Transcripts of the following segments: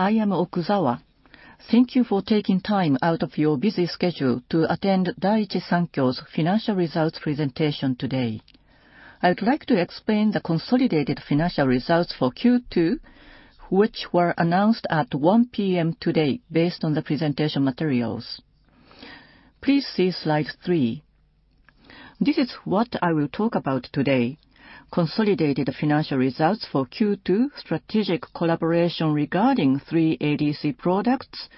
I am Okuzawa. Thank you for taking time out of your busy schedule to attend Daiichi Sankyo's financial results presentation today. I would like to explain the consolidated financial results for Q2, which were announced at 1 P.M. today, based on the presentation materials. Please see slide three. This is what I will talk about today. Consolidated financial results for Q2, strategic collaboration regarding three ADC products,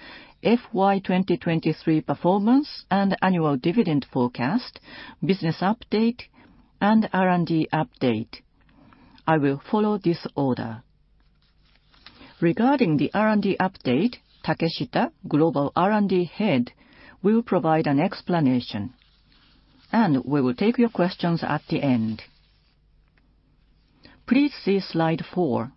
FY 2023 performance, and annual dividend forecast, business update, and R&D update. I will follow this order. Regarding the R&D update, Takeshita, Global R&D Head, will provide an explanation, and we will take your questions at the end. Please see slide four.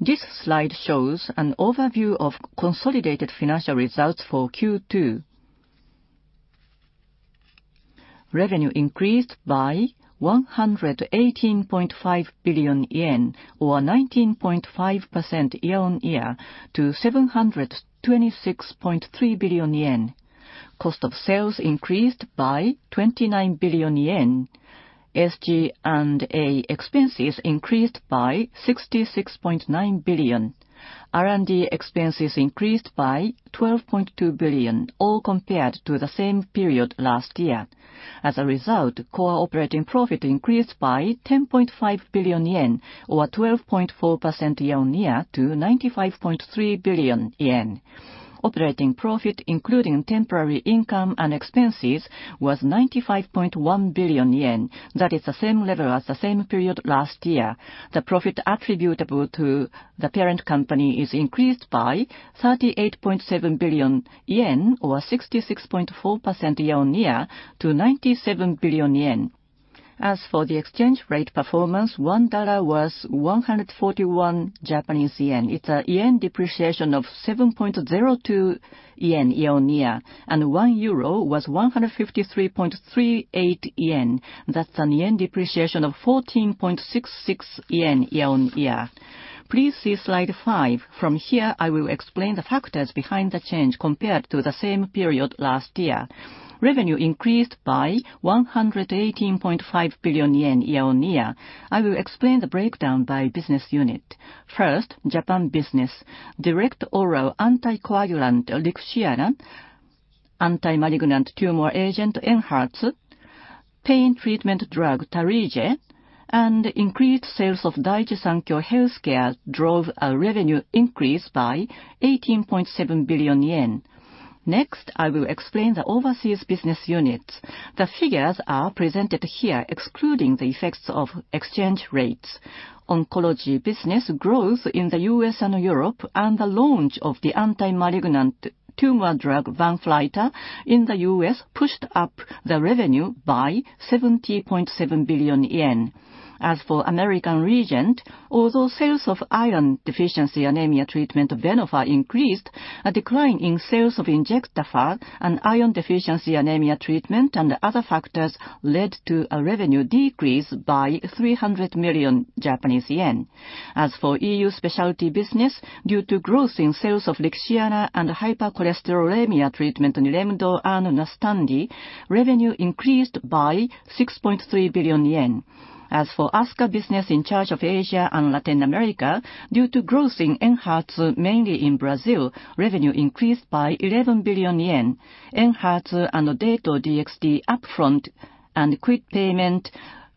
This slide shows an overview of consolidated financial results for Q2. Revenue increased by 118.5 billion yen, or 19.5% year-on-year to 726.3 billion yen. Cost of sales increased by 29 billion yen. SG&A expenses increased by 66.9 billion. R&D expenses increased by 12.2 billion, all compared to the same period last year. As a result, core operating profit increased by 10.5 billion yen or 12.4% year-on-year to 95.3 billion yen. Operating profit, including temporary income and expenses, was 95.1 billion yen. That is the same level as the same period last year. The profit attributable to the parent company is increased by 38.7 billion yen or 66.4% year-on-year to 97 billion yen. As for the exchange rate performance, $1 was 141 Japanese yen. It's a 1 JPY depreciation of 7.02 yen year-on-year, and one euro was 153.38 yen. That's a 1 JPY depreciation of 14.66 yen year-on-year. Please see slide five. From here, I will explain the factors behind the change compared to the same period last year. Revenue increased by 118.5 billion yen year-on-year. I will explain the breakdown by business unit. First, Japan business. Direct oral anticoagulant Lixiana, anti-malignant tumor agent ENHERTU, pain treatment drug Tarlige, and increased sales of Daiichi Sankyo Healthcare drove a revenue increase by 18.7 billion yen. Next, I will explain the overseas business units. The figures are presented here excluding the effects of exchange rates. Oncology business growth in the U.S. and Europe, and the launch of the anti-malignant tumor drug VANFLYTA in the U.S. pushed up the revenue by 70.7 billion yen. As for American Regent, although sales of iron deficiency anemia treatment Venofer increased, a decline in sales of Injectafer, an iron deficiency anemia treatment, and other factors led to a revenue decrease by 300 million Japanese yen. As for EU specialty business, due to growth in sales of Lixiana and hypercholesterolemia treatment Nilemdo and Nustendi, revenue increased by 6.3 billion yen. As for ASCA business in charge of Asia and Latin America, due to growth in ENHERTU, mainly in Brazil, revenue increased by 11 billion yen. ENHERTU and Dato-DXd upfront and quick payment,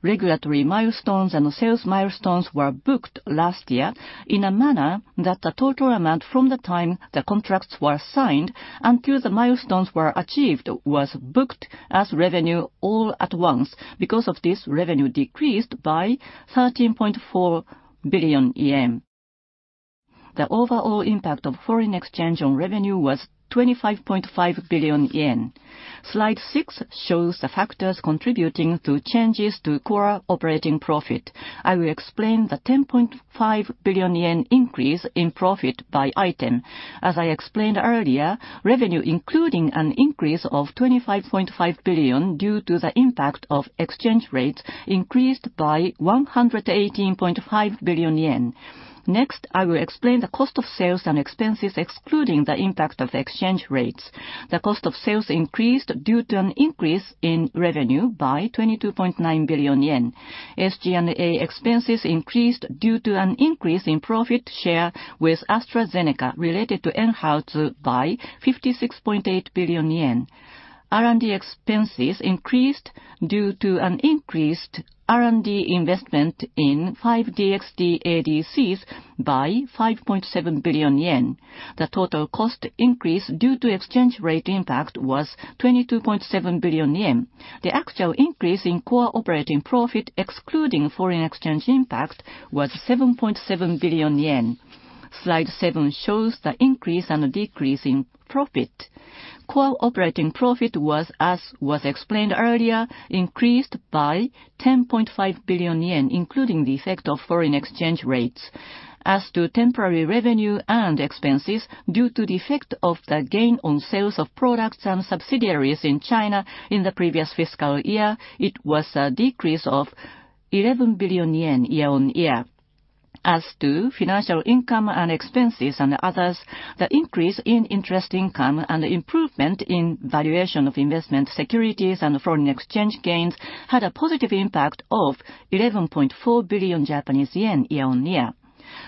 regulatory milestones and sales milestones were booked last year in a manner that the total amount from the time the contracts were signed until the milestones were achieved was booked as revenue all at once. Because of this, revenue decreased by 13.4 billion yen. The overall impact of foreign exchange on revenue was 25.5 billion yen. Slide six shows the factors contributing to changes to core operating profit. I will explain the 10.5 billion yen increase in profit by item. As I explained earlier, revenue, including an increase of 25.5 billion due to the impact of exchange rates, increased by 118.5 billion yen. Next, I will explain the cost of sales and expenses excluding the impact of exchange rates. The cost of sales increased due to an increase in revenue by 22.9 billion yen. SG&A expenses increased due to an increase in profit share with AstraZeneca related to ENHERTU by 56.8 billion yen. R&D expenses increased due to an increased R&D investment in five DXd ADCs by 5.7 billion yen. The total cost increase due to exchange rate impact was 22.7 billion yen. The actual increase in core operating profit, excluding foreign exchange impact, was 7.7 billion yen. Slide seven shows the increase and decrease in profit. Core operating profit was, as was explained earlier, increased by 10.5 billion yen, including the effect of foreign exchange rates.... As to temporary revenue and expenses, due to the effect of the gain on sales of products and subsidiaries in China in the previous fiscal year, it was a decrease of 11 billion yen year-on-year. As to financial income and expenses and others, the increase in interest income and improvement in valuation of investment securities and foreign exchange gains had a positive impact of 11.4 billion Japanese yen year-on-year.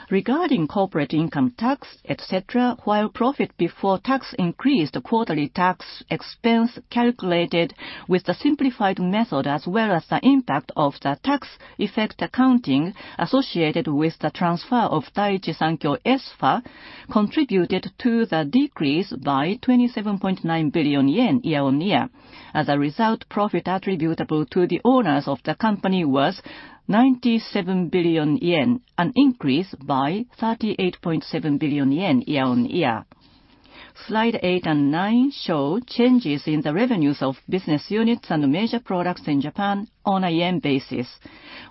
Regarding corporate income tax, et cetera, while profit before tax increased, quarterly tax expense calculated with the simplified method, as well as the impact of the tax effect accounting associated with the transfer of Daiichi Sankyo Espha, contributed to the decrease by 27.9 billion yen year-on-year. As a result, profit attributable to the owners of the company was 97 billion yen, an increase by 38.7 billion yen year-on-year. Slide eight and nine show changes in the revenues of business units and major products in Japan on a JPY basis,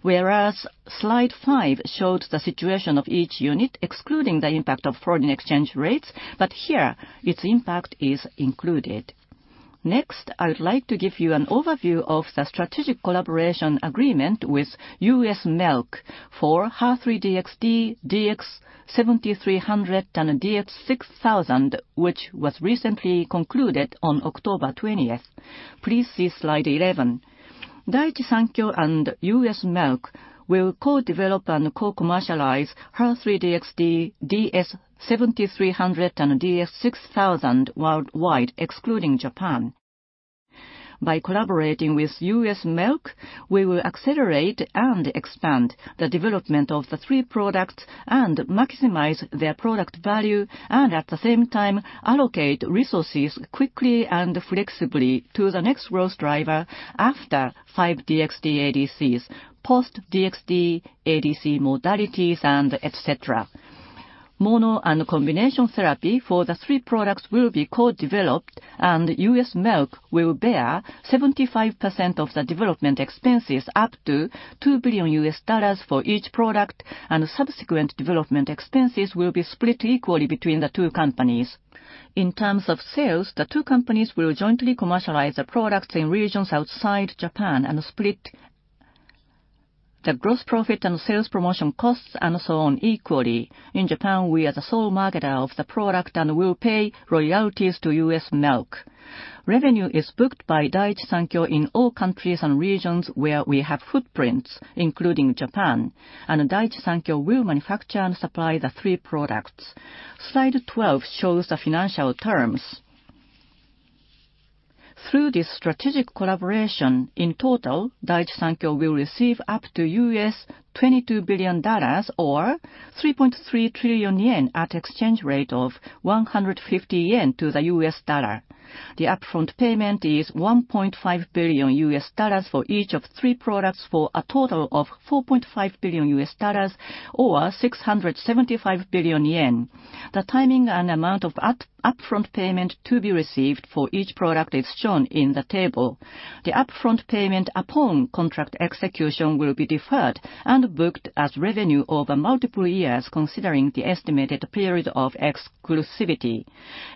whereas Slide five showed the situation of each unit, excluding the impact of foreign exchange rates, but here its impact is included. Next, I would like to give you an overview of the strategic collaboration agreement with U.S. Merck for HER3-DXd, DS-7300 and DS-6000, which was recently concluded on October twentieth. Please see slide 11. Daiichi Sankyo and U.S. Merck will co-develop and co-commercialize HER3-DXd, DS-7300 and DS-6000 worldwide, excluding Japan. By collaborating with U.S. Merck, we will accelerate and expand the development of the three products and maximize their product value and, at the same time, allocate resources quickly and flexibly to the next growth driver after five DXd ADCs, post-DXd ADC modalities, and et cetera. Mono and combination therapy for the three products will be co-developed, and U.S. Merck will bear 75% of the development expenses, up to $2 billion for each product, and subsequent development expenses will be split equally between the two companies. In terms of sales, the two companies will jointly commercialize the products in regions outside Japan and split the gross profit and sales promotion costs and so on equally. In Japan, we are the sole marketer of the product and will pay royalties to Merck. Revenue is booked by Daiichi Sankyo in all countries and regions where we have footprints, including Japan, and Daiichi Sankyo will manufacture and supply the three products. Slide 12 shows the financial terms. Through this strategic collaboration, in total, Daiichi Sankyo will receive up to $22 billion, or 3.3 trillion yen, at exchange rate of 150 yen to the $1. The upfront payment is $1.5 billion for each of three products, for a total of $4.5 billion or 675 billion yen. The timing and amount of upfront payment to be received for each product is shown in the table. The upfront payment upon contract execution will be deferred and booked as revenue over multiple years, considering the estimated period of exclusivity.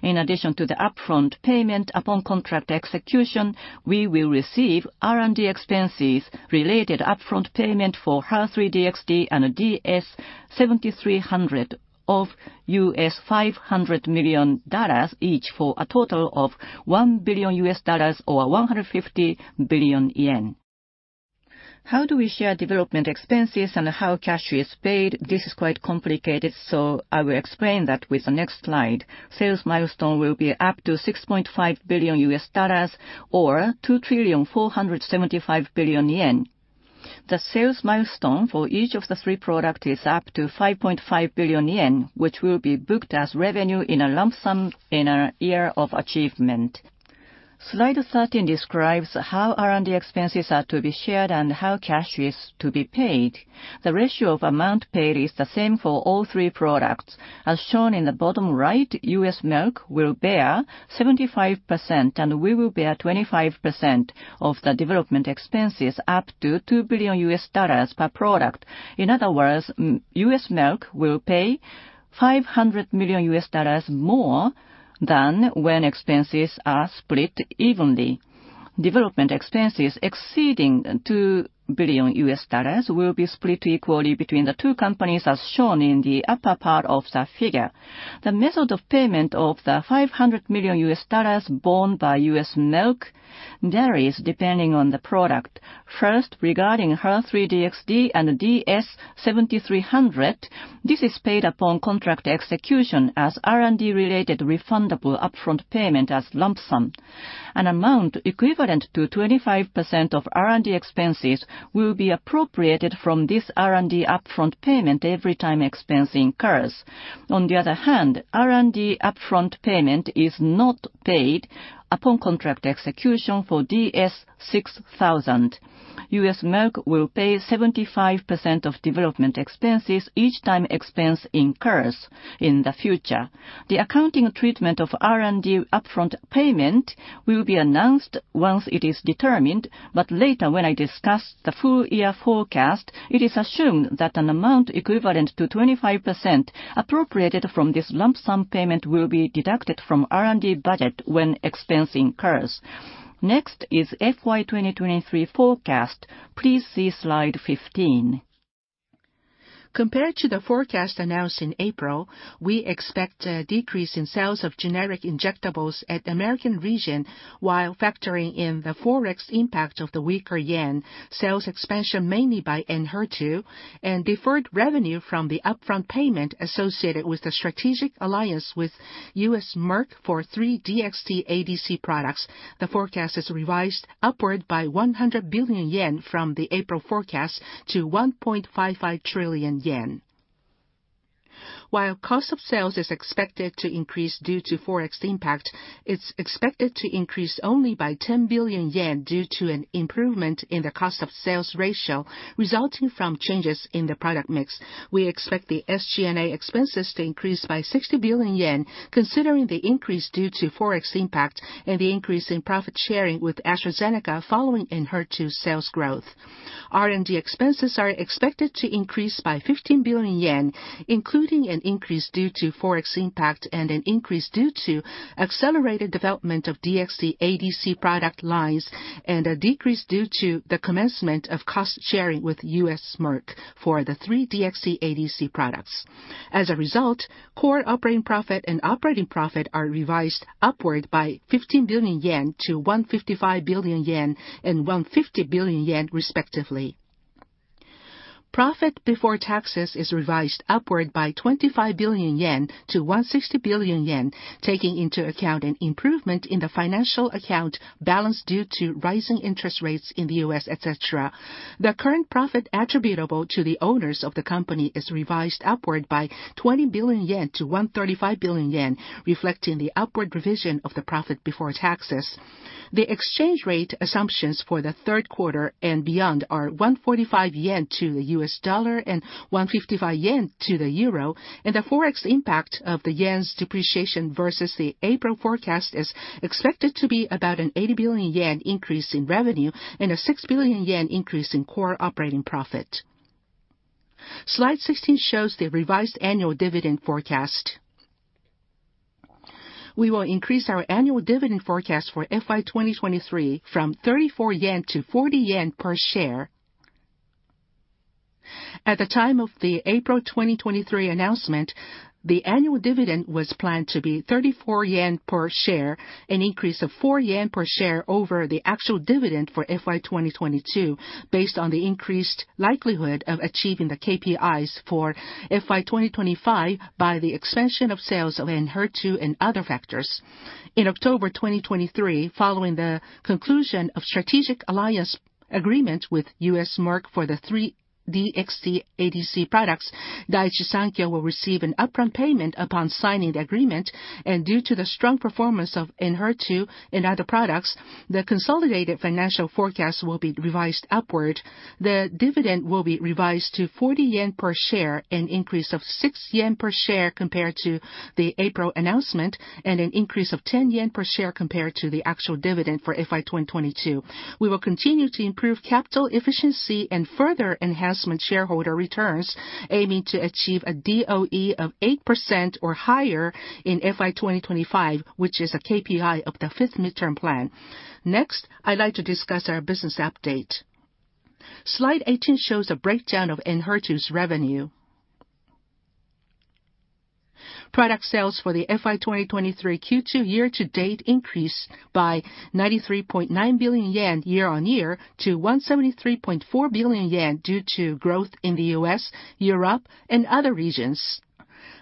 In addition to the upfront payment upon contract execution, we will receive R&D expenses related upfront payment for HER3-DXd and DS-7300 of $500 million each, for a total of $1 billion or 150 billion yen. How do we share development expenses and how cash is paid? This is quite complicated, so I will explain that with the next slide. Sales milestone will be up to $6.5 billion or 2.475 trillion. The sales milestone for each of the three product is up to 5.5 billion yen, which will be booked as revenue in a lump sum in a year of achievement. Slide 13 describes how R&D expenses are to be shared and how cash is to be paid. The ratio of amount paid is the same for all three products. As shown in the bottom right, U.S. Merck will bear 75%, and we will bear 25% of the development expenses, up to $2 billion per product. In other words, U.S. Merck will pay $500 million more than when expenses are split evenly. Development expenses exceeding $2 billion will be split equally between the two companies, as shown in the upper part of the figure. The method of payment of the $500 million borne by U.S. Merck varies, depending on the product. First, regarding HER3-DXd and DS-7300, this is paid upon contract execution as R&D related refundable upfront payment as lump sum. An amount equivalent to 25% of R&D expenses will be appropriated from this R&D upfront payment every time expense incurs. On the other hand, R&D upfront payment is not paid upon contract execution for DS-6000. Merck will pay 75% of development expenses each time expense incurs in the future. The accounting treatment of R&D upfront payment will be announced once it is determined, but later, when I discuss the full year forecast, it is assumed that an amount equivalent to 25% appropriated from this lump sum payment will be deducted from R&D budget when expense incurs. Next is FY 2023 forecast. Please see slide 15. Compared to the forecast announced in April, we expect a decrease in sales of generic injectables at American Regent, while factoring in the Forex impact of the weaker yen, sales expansion mainly by ENHERTU, and deferred revenue from the upfront payment associated with the strategic alliance with US Merck for three DXd ADCs. The forecast is revised upward by 100 billion yen from the April forecast to 1.55 trillion yen. While cost of sales is expected to increase due to Forex impact, it's expected to increase only by 10 billion yen due to an improvement in the cost of sales ratio resulting from changes in the product mix. We expect the SG&A expenses to increase by 60 billion yen, considering the increase due to Forex impact and the increase in profit sharing with AstraZeneca following ENHERTU sales growth. R&D expenses are expected to increase by 15 billion yen, including an increase due to Forex impact and an increase due to accelerated development of DXdADC product lines, and a decrease due to the commencement of cost sharing with U.S. Merck for the three DXdADC products. As a result, core operating profit and operating profit are revised upward by 15 billion yen to 155 billion yen and 150 billion yen, respectively. Profit before taxes is revised upward by 25 billion yen to 160 billion yen, taking into account an improvement in the financial account balance due to rising interest rates in the U.S., et cetera. The current profit attributable to the owners of the company is revised upward by 20 billion yen to 135 billion yen, reflecting the upward revision of the profit before taxes. The exchange rate assumptions for the third quarter and beyond are 145 yen to the $1 and JPY 155 to the euro, and the Forex impact of the yen's depreciation versus the April forecast is expected to be about a 80 billion yen increase in revenue and a 6 billion yen increase in core operating profit. Slide 16 shows the revised annual dividend forecast. We will increase our annual dividend forecast for FY 2023 from 34 yen to 40 yen per share. At the time of the April 2023 announcement, the annual dividend was planned to be 34 yen per share, an increase of 4 yen per share over the actual dividend for FY 2022, based on the increased likelihood of achieving the KPIs for FY2025 by the expansion of sales of ENHERTU and other factors. In October 2023, following the conclusion of strategic alliance agreement with U.S. Merck for the three DXd ADC products, Daiichi Sankyo will receive an upfront payment upon signing the agreement. Due to the strong performance of ENHERTU and other products, the consolidated financial forecast will be revised upward. The dividend will be revised to 40 yen per share, an increase of 6 yen per share compared to the April announcement, and an increase of 10 yen per share compared to the actual dividend for FY 2022. We will continue to improve capital efficiency and further enhancement shareholder returns, aiming to achieve a DOE of 8% or higher in FY2025, which is a KPI of the fifth midterm plan. Next, I'd like to discuss our business update. Slide 18 shows a breakdown of ENHERTU's revenue. Product sales for the FY 2023 Q2 year-to-date increased by 93.9 billion yen year-on-year to 173.4 billion yen, due to growth in the U.S., Europe, and other regions.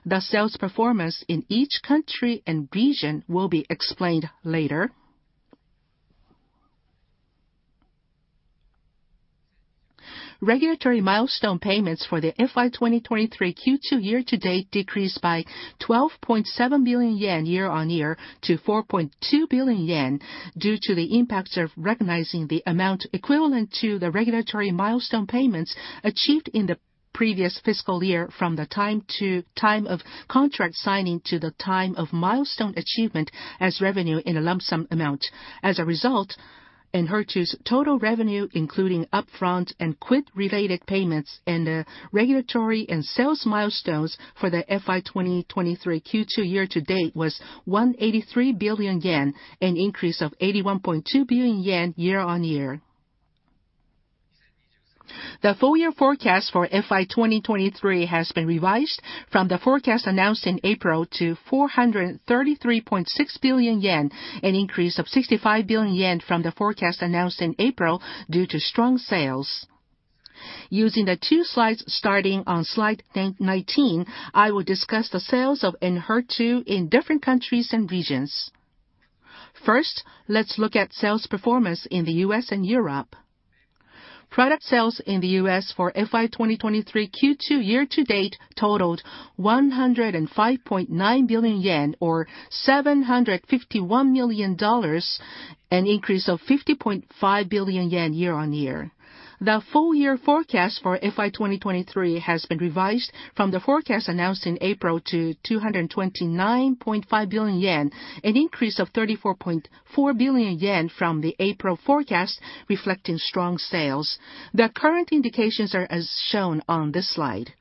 The sales performance in each country and region will be explained later. Regulatory milestone payments for the FY 2023 Q2 year-to-date decreased by 12.7 billion yen year-on-year to 4.2 billion yen, due to the impacts of recognizing the amount equivalent to the regulatory milestone payments achieved in the previous fiscal year from the time of contract signing to the time of milestone achievement as revenue in a lump sum amount. As a result, ENHERTU total revenue, including upfront and milestone-related payments and the regulatory and sales milestones for the FY 2023 Q2 year-to-date, was 183 billion yen, an increase of 81.2 billion yen year-on-year. The full year forecast for FY 2023 has been revised from the forecast announced in April to 433.6 billion yen, an increase of 65 billion yen from the forecast announced in April due to strong sales. Using the two slides starting on slide 19, I will discuss the sales of ENHERTU in different countries and regions. First, let's look at sales performance in the U.S. and Europe. Product sales in the U.S. for FY 2023 Q2 year-to-date totaled 105.9 billion yen, or $751 million, an increase of 50.5 billion yen year-on-year. The full year forecast for FY 2023 has been revised from the forecast announced in April to 229.5 billion yen, an increase of 34.4 billion yen from the April forecast, reflecting strong sales. The current indications are as shown on this slide.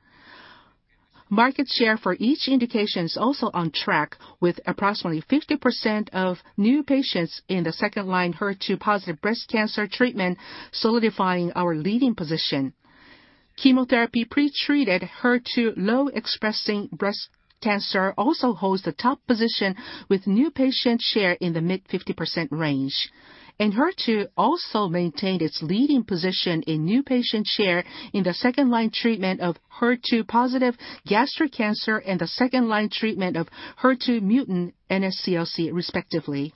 Market share for each indication is also on track, with approximately 50% of new patients in the second-line HER2-positive breast cancer treatment solidifying our leading position. Chemotherapy pre-treated HER2-low expressing breast cancer also holds the top position, with new patient share in the mid-50% range. ENHERTU also maintained its leading position in new patient share in the second-line treatment of HER2-positive gastric cancer and the second-line treatment of HER2 mutant NSCLC, respectively.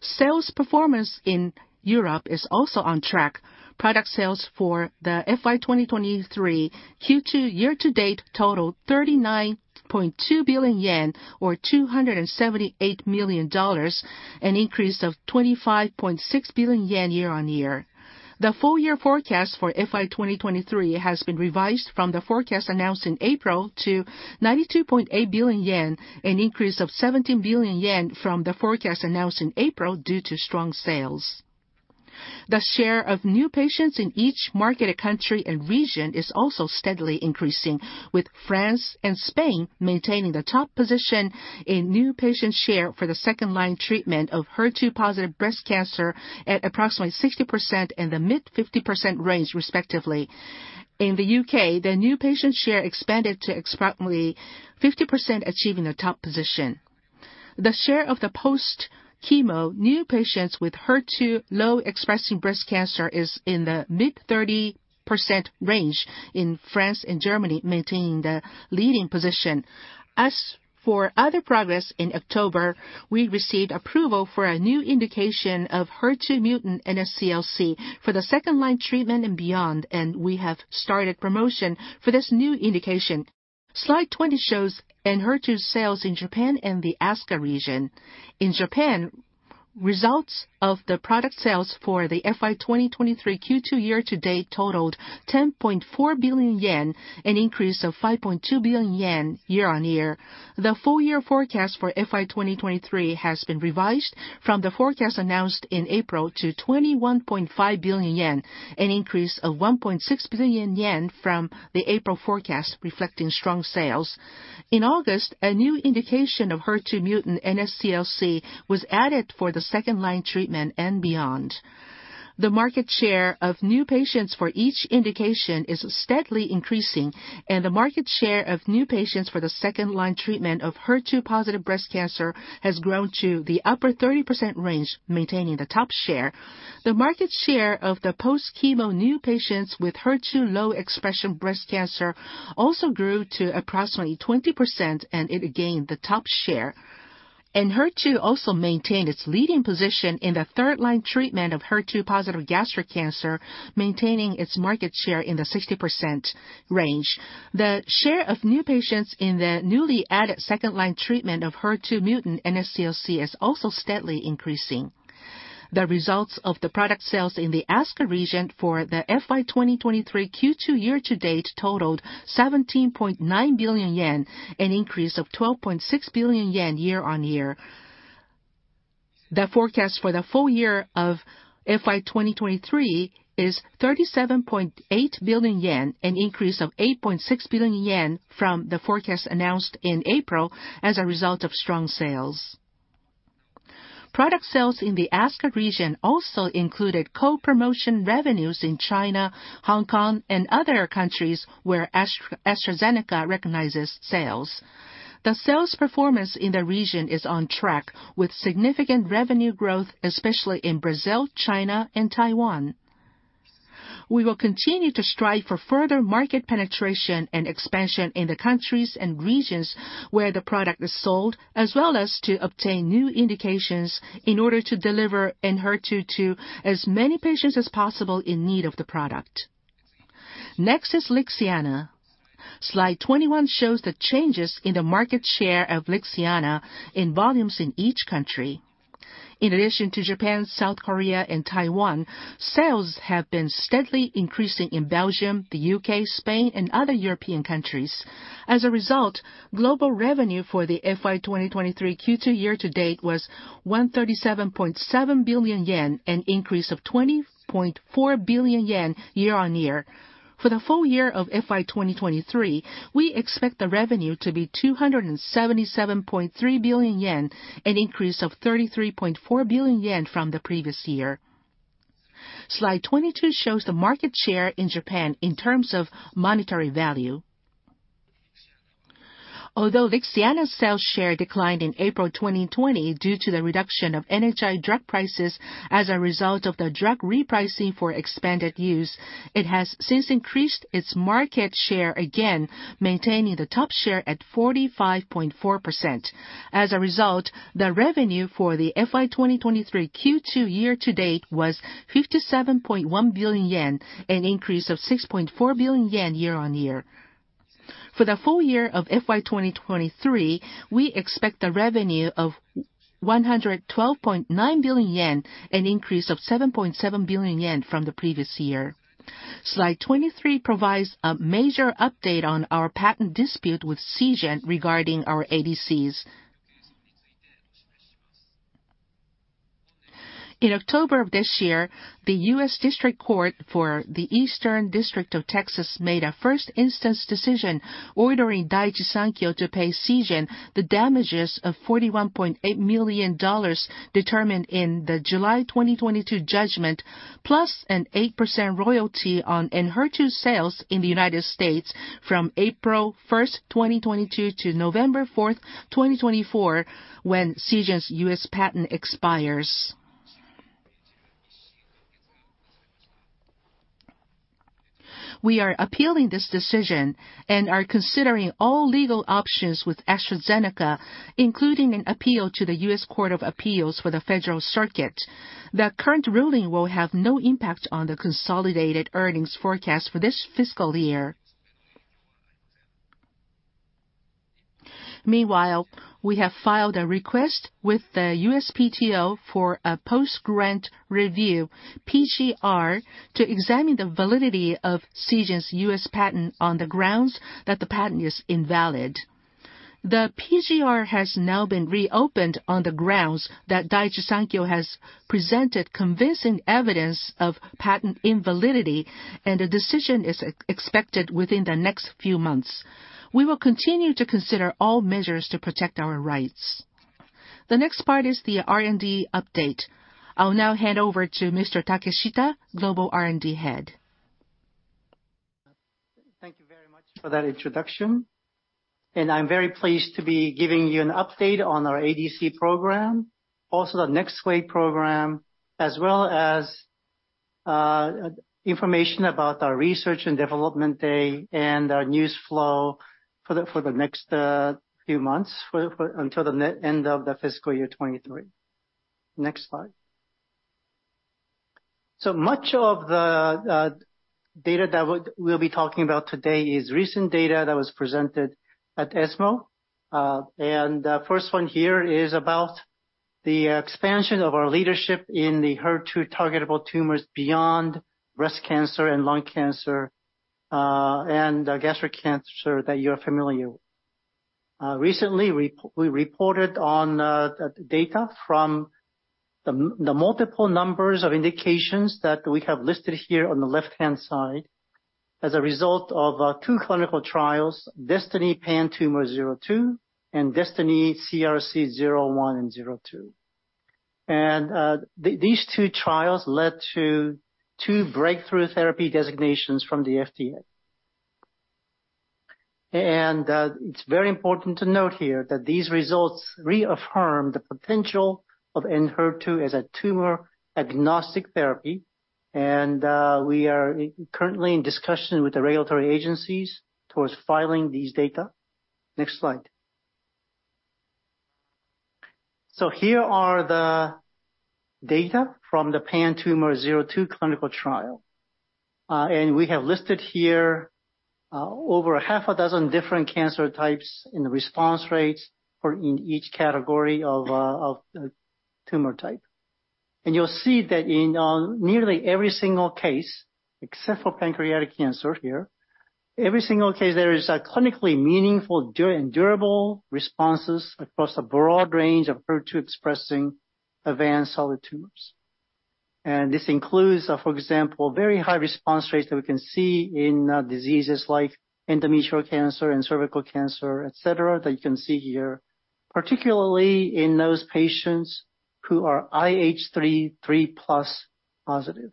Sales performance in Europe is also on track. Product sales for the FY 2023 Q2 year-to-date totaled 39.2 billion yen, or $278 million, an increase of 25.6 billion yen year-on-year. The full-year forecast for FY 2023 has been revised from the forecast announced in April to 92.8 billion yen, an increase of 17 billion yen from the forecast announced in April due to strong sales. The share of new patients in each marketed country and region is also steadily increasing, with France and Spain maintaining the top position in new patient share for the second-line treatment of HER2-positive breast cancer at approximately 60% in the mid-50% range, respectively. In the U.K., the new patient share expanded to approximately 50%, achieving a top position. The share of the post-chemo new patients with HER- low expressing breast cancer is in the mid-30% range in France and Germany, maintaining the leading position. As for other progress in October, we received approval for a new indication of HER2 mutant NSCLC for the second-line treatment and beyond, and we have started promotion for this new indication. Slide 20 shows ENHERTU 's sales in Japan and the ASCA region. In Japan, results of the product sales for the FY 2023 Q2 year-to-date totaled 10.4 billion yen, an increase of 5.2 billion yen year-on-year. The full-year forecast for FY 2023 has been revised from the forecast announced in April to 21.5 billion yen, an increase of 1.6 billion yen from the April forecast, reflecting strong sales. In August, a new indication of HER2 mutant NSCLC was added for the second-line treatment and beyond. The market share of new patients for each indication is steadily increasing, and the market share of new patients for the second-line treatment of HER2-positive breast cancer has grown to the upper 30% range, maintaining the top share. The market share of the post-chemo new patients with HER2-low expression breast cancer also grew to approximately 20%, and it gained the top share. ENHERTU also maintained its leading position in the third-line treatment of HER2-positive gastric cancer, maintaining its market share in the 60% range. The share of new patients in the newly added second-line treatment of HER2 mutant NSCLC is also steadily increasing. The results of the product sales in the ASCA region for the FY 2023 Q2 year-to-date totaled 17.9 billion yen, an increase of 12.6 billion yen year-on-year. The forecast for the full year of FY 2023 is 37.8 billion yen, an increase of 8.6 billion yen from the forecast announced in April as a result of strong sales. Product sales in the ASCA region also included co-promotion revenues in China, Hong Kong, and other countries where AstraZeneca recognizes sales. The sales performance in the region is on track, with significant revenue growth, especially in Brazil, China, and Taiwan. We will continue to strive for further market penetration and expansion in the countries and regions where the product is sold, as well as to obtain new indications in order to deliver ENHERTU to as many patients as possible in need of the product. Next is Lixiana. Slide 21 shows the changes in the market share of Lixiana in volumes in each country. In addition to Japan, South Korea, and Taiwan, sales have been steadily increasing in Belgium, the U.K., Spain, and other European countries. As a result, global revenue for the FY 2023 Q2 year-to-date was 1 37.7 billion, an increase of 20.4 billion yen year-on-year. For the full year of FY 2023, we expect the revenue to be 277.3 billion yen, an increase of 33.4 billion yen from the previous year. Slide 22 shows the market share in Japan in terms of monetary value. Although Lixiana's sales share declined in April 2020 due to the reduction of NHI drug prices as a result of the drug repricing for expanded use, it has since increased its market share again, maintaining the top share at 45.4%. As a result, the revenue for the FY 2023 Q2 year-to-date was 57.1 billion yen, an increase of 6.4 billion yen year-on-year. For the full year of FY 2023, we expect a revenue of 112.9 billion yen, an increase of 7.7 billion yen from the previous year. Slide 23 provides a major update on our patent dispute with Seagen regarding our ADCs. In October of this year, the U.S. District Court for the Eastern District of Texas made a first instance decision, ordering Daiichi Sankyo to pay Seagen the damages of $41.8 million, determined in the July 2022 judgment, plus an 8% royalty on ENHERTU sales in the United States from April 1, 2022 to November 4, 2024, when Seagen's U.S. patent expires. We are appealing this decision and are considering all legal options with AstraZeneca, including an appeal to the U.S. Court of Appeals for the Federal Circuit. The current ruling will have no impact on the consolidated earnings forecast for this fiscal year. Meanwhile, we have filed a request with the USPTO for a post-grant review, PGR, to examine the validity of Seagen's U.S. patent on the grounds that the patent is invalid. The PGR has now been reopened on the grounds that Daiichi Sankyo has presented convincing evidence of patent invalidity, and a decision is expected within the next few months. We will continue to consider all measures to protect our rights. The next part is the R&D update. I'll now hand over to Mr. Takeshita, Global R&D Head. Thank you very much for that introduction, and I'm very pleased to be giving you an update on our ADC program, also the Next Wave program, as well as information about our research and development day and our news flow for the next few months, for until the end of the fiscal year 2023. Next slide. So much of the data that we'll be talking about today is recent data that was presented at ESMO. And the first one here is about the expansion of our leadership in the HER2 targetable tumors beyond breast cancer and lung cancer, and gastric cancer that you are familiar with. Recently, we reported on the data from the multiple numbers of indications that we have listed here on the left-hand side, as a result of two clinical trials, DESTINY-PanTumor02 and DESTINY-CRC01 and 02. These two trials led to two breakthrough therapy designations from the FDA. It's very important to note here that these results reaffirm the potential of ENHERTU as a tumor-agnostic therapy, and we are currently in discussion with the regulatory agencies towards filing these data. Next slide. So here are the data from the PanTumor 02 clinical trial. We have listed here over half a dozen different cancer types and the response rates for each category of tumor type. And you'll see that in nearly every single case, except for pancreatic cancer here, every single case there is a clinically meaningful and durable responses across a broad range of HER2-expressing advanced solid tumors. And this includes, for example, very high response rates that we can see in diseases like endometrial cancer and cervical cancer, et cetera, that you can see here, particularly in those patients who are IHC 3+ positive.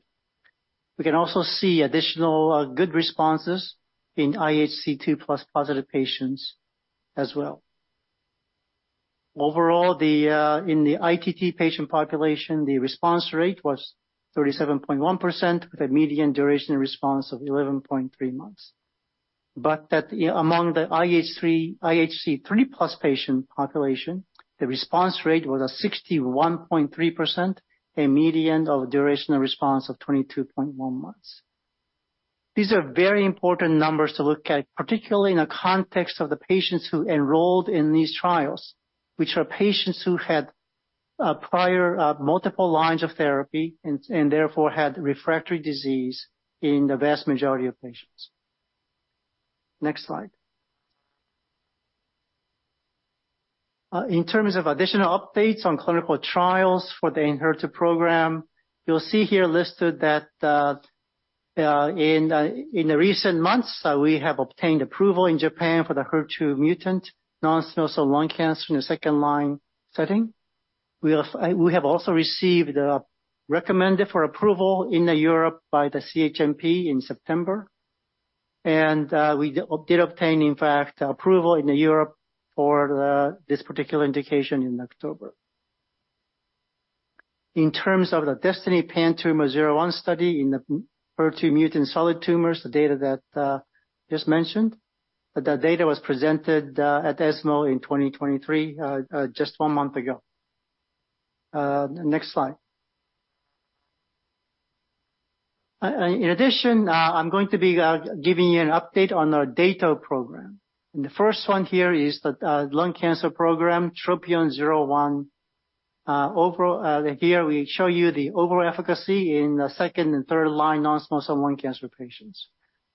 We can also see additional good responses in IHC 2+ positive patients as well. Overall, in the ITT patient population, the response rate was 37.1%, with a median duration of response of 11.3 months. But that among the IHC 3+ patient population, the response rate was 61.3%, a median duration of response of 22.1 months. These are very important numbers to look at, particularly in the context of the patients who enrolled in these trials, which are patients who had prior multiple lines of therapy and therefore had refractory disease in the vast majority of patients. Next slide. In terms of additional updates on clinical trials for the ENHERTU program, you'll see here listed that in the recent months we have obtained approval in Japan for the HER2 mutant non-small cell lung cancer in the second-line setting. We have also received recommendation for approval in Europe by the CHMP in September. We did obtain, in fact, approval in Europe for this particular indication in October. In terms of the DESTINY-PanTumor01 study in the HER2 mutant solid tumors, the data that just mentioned, that the data was presented at ESMO in 2023, just one month ago. Next slide. In addition, I'm going to be giving you an update on our data program. And the first one here is the lung cancer program, TROPION-01. Overall, here we show you the overall efficacy in the second- and third-line non-small cell lung cancer patients.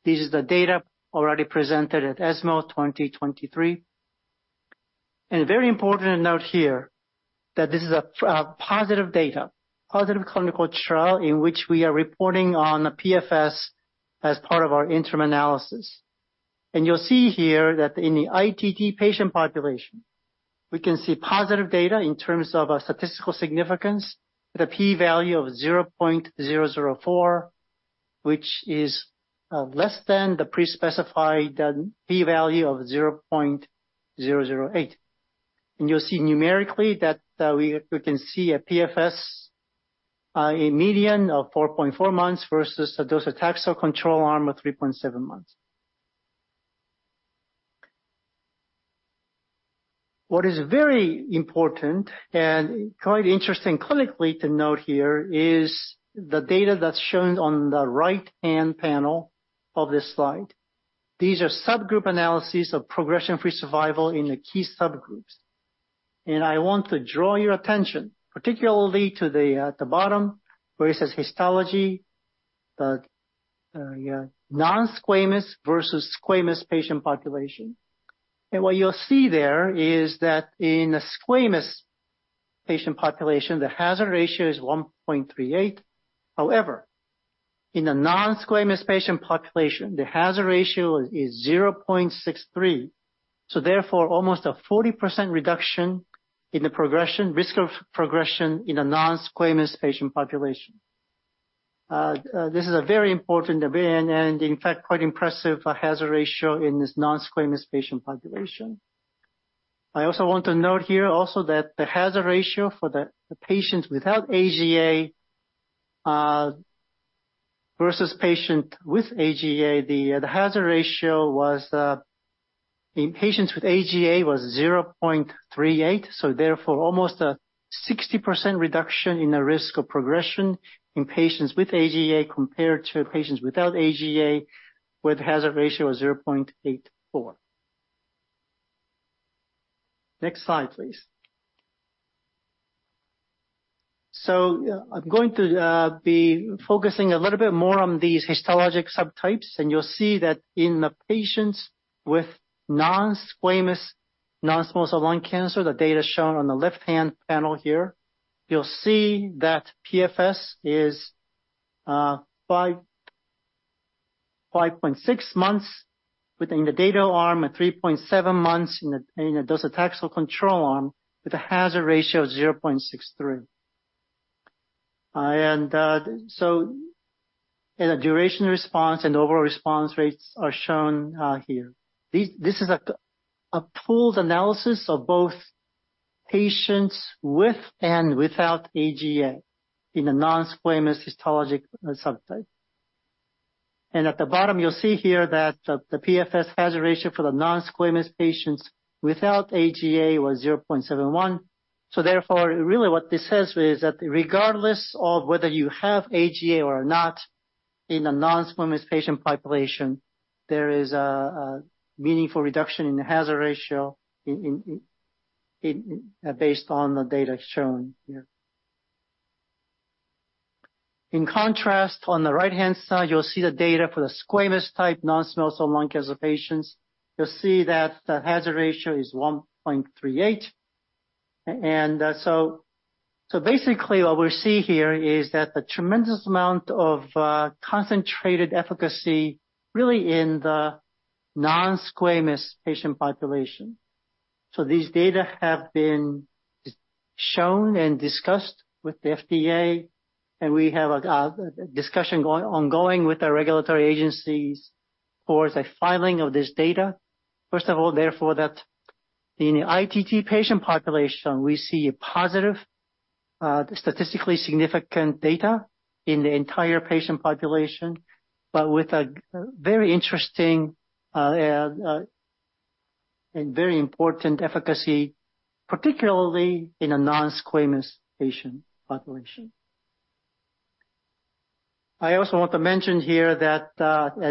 This is the data already presented at ESMO 2023. And very important to note here, that this is positive data, positive clinical trial, in which we are reporting on the PFS as part of our interim analysis. You'll see here that in the ITT patient population, we can see positive data in terms of a statistical significance, with a P-value of 0.004, which is less than the pre-specified P value of 0.008. You'll see numerically that we can see a PFS a median of 4.4 months versus a docetaxel control arm of 3.7 months. What is very important, and quite interesting clinically to note here, is the data that's shown on the right-hand panel of this slide. These are subgroup analyses of progression-free survival in the key subgroups. I want to draw your attention, particularly to the at the bottom, where it says histology, the yeah, non-squamous versus squamous patient population. What you'll see there is that in a squamous patient population, the hazard ratio is 1.38. However, in a non-squamous patient population, the hazard ratio is 0.63, so therefore almost a 40% reduction in the progression risk of progression in a non-squamous patient population. This is a very important event, and in fact, quite impressive hazard ratio in this non-squamous patient population. I also want to note here also that the hazard ratio for the patients without AGA versus patient with AGA, the hazard ratio was in patients with AGA was 0.38, so therefore almost a 60% reduction in the risk of progression in patients with AGA compared to patients without AGA, with a hazard ratio of 0.84. Next slide, please. So I'm going to be focusing a little bit more on these histologic subtypes, and you'll see that in the patients with non-squamous non-small cell lung cancer, the data shown on the left-hand panel here, you'll see that PFS is 5.6 months in the Dato arm, and 3.7 months in the docetaxel control arm, with a hazard ratio of 0.63. And the duration response and overall response rates are shown here. This is a pooled analysis of both patients with and without AGA in a non-squamous histologic subtype. And at the bottom, you'll see here that the PFS hazard ratio for the non-squamous patients without AGA was 0.71. So therefore, really what this says is that regardless of whether you have AGA or not, in a non-squamous patient population, there is a meaningful reduction in the hazard ratio in, based on the data shown here. In contrast, on the right-hand side, you'll see the data for the squamous type, non-small cell lung cancer patients. You'll see that the hazard ratio is 1.38. And so basically what we see here is that the tremendous amount of concentrated efficacy really in the non-squamous patient population. So these data have been shown and discussed with the FDA, and we have a discussion going, ongoing with the regulatory agencies towards a filing of this data. First of all, therefore, that in the ITT patient population, we see a positive, statistically significant data in the entire patient population, but with a very interesting, and very important efficacy, particularly in a non-squamous patient population. I also want to mention here that,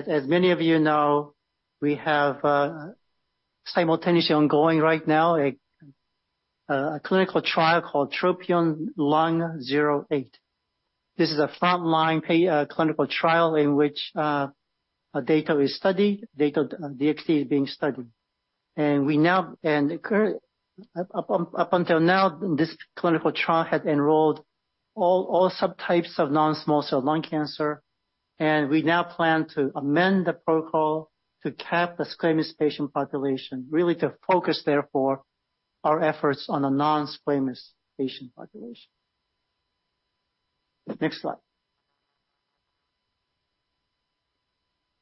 as many of you know, we have simultaneously ongoing right now, a clinical trial called TROPION-Lung08. This is a frontline clinical trial in which Dato-DXd is being studied. And up until now, this clinical trial had enrolled all subtypes of non-small cell lung cancer, and we now plan to amend the protocol to cap the squamous patient population, really to focus therefore, our efforts on a non-squamous patient population. Next slide.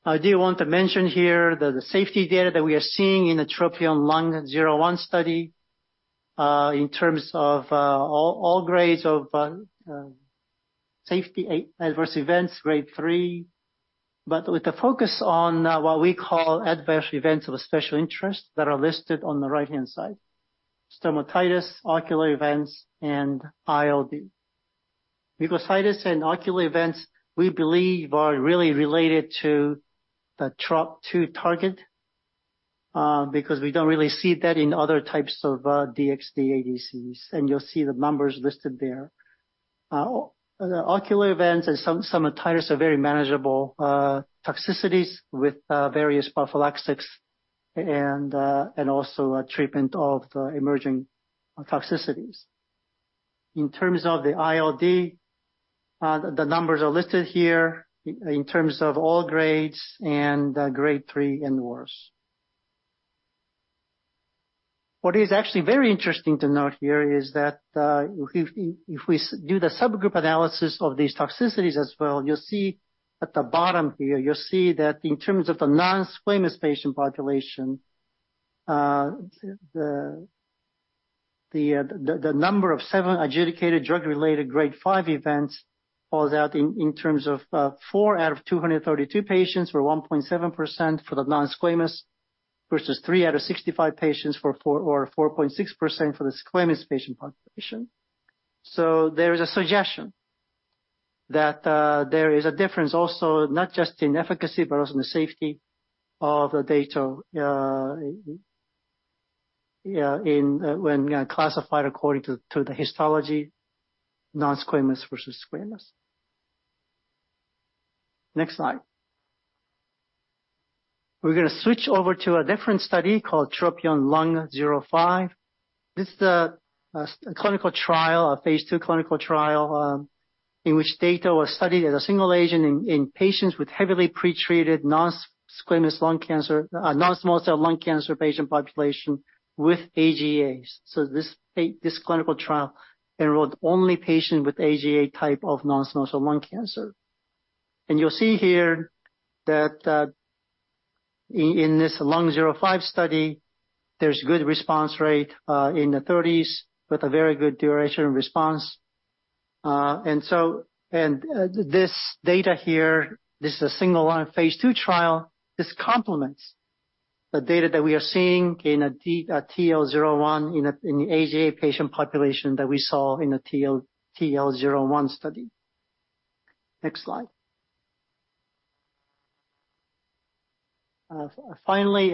I do want to mention here that the safety data that we are seeing in the TROPION-Lung01 study, in terms of all grades of safety and adverse events, grade 3, but with a focus on what we call adverse events of special interest that are listed on the right-hand side, stomatitis, ocular events, and ILD. Mucositis and ocular events, we believe are really related to the TROP2 target, because we don't really see that in other types of DXd ADCs, and you'll see the numbers listed there. The ocular events and some of the stomatitises are very manageable toxicities with various prophylaxis and also a treatment of the emerging toxicities. In terms of the ILD, the numbers are listed here in terms of all grades and grade 3 and worse. What is actually very interesting to note here is that, if we do the subgroup analysis of these toxicities as well, you'll see at the bottom here, you'll see that in terms of the non-squamous patient population, the number of 7 adjudicated drug-related grade 5 events falls out in terms of four out of 232 patients, or 1.7% for the non-squamous, versus three out of 65 patients for four-- or 4.6% for the squamous patient population. So there is a suggestion that there is a difference also not just in efficacy, but also in the safety of the data, when classified according to the histology, non-squamous versus squamous. Next slide. We're going to switch over to a different study called TROPION-Lung05. This is a clinical trial, a Phase II clinical trial, in which data was studied as a single agent in patients with heavily pretreated non-squamous lung cancer, non-small cell lung cancer patient population with AGAs. This clinical trial enrolled only patient with AGA type of non-small cell lung cancer. You'll see here that in this Lung 05 study, there's good response rate in the 30s with a very good duration of response. This data here, this is a single-arm Phase II trial. This complements the data that we are seeing in a TL01, in the AGA patient population that we saw in the TL01 study. Next slide. Finally,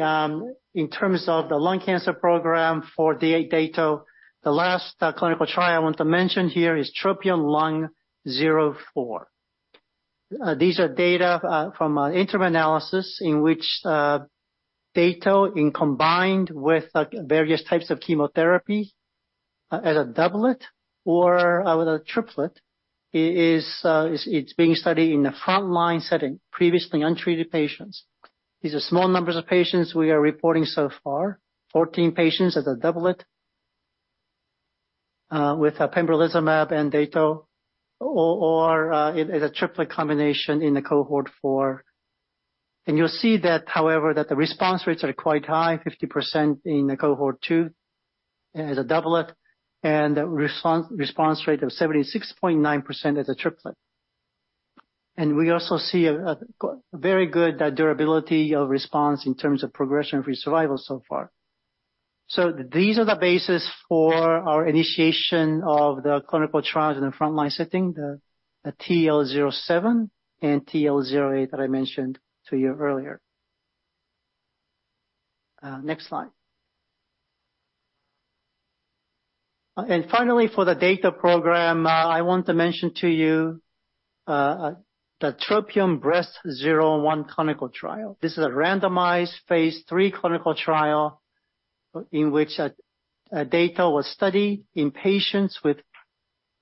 in terms of the lung cancer program for the Dato, the last clinical trial I want to mention here is TROPION-Lung04. These are data from an interim analysis in which Dato combined with various types of chemotherapy as a doublet or with a triplet is being studied in a frontline setting, previously untreated patients. These are small numbers of patients we are reporting so far, 14 patients as a doublet with pembrolizumab and Dato, or as a triplet combination in the cohort 4. And you'll see that, however, the response rates are quite high, 50% in the cohort 2 as a doublet, and a response rate of 76.9% as a triplet. We also see a very good durability of response in terms of progression-free survival so far. These are the basis for our initiation of the clinical trials in the frontline setting, the TL07 and TL08 that I mentioned to you earlier. Next slide. Finally, for the Dato program, I want to mention to you the TROPION-Breast01 clinical trial. This is a randomized Phase III clinical trial, in which Dato was studied in patients with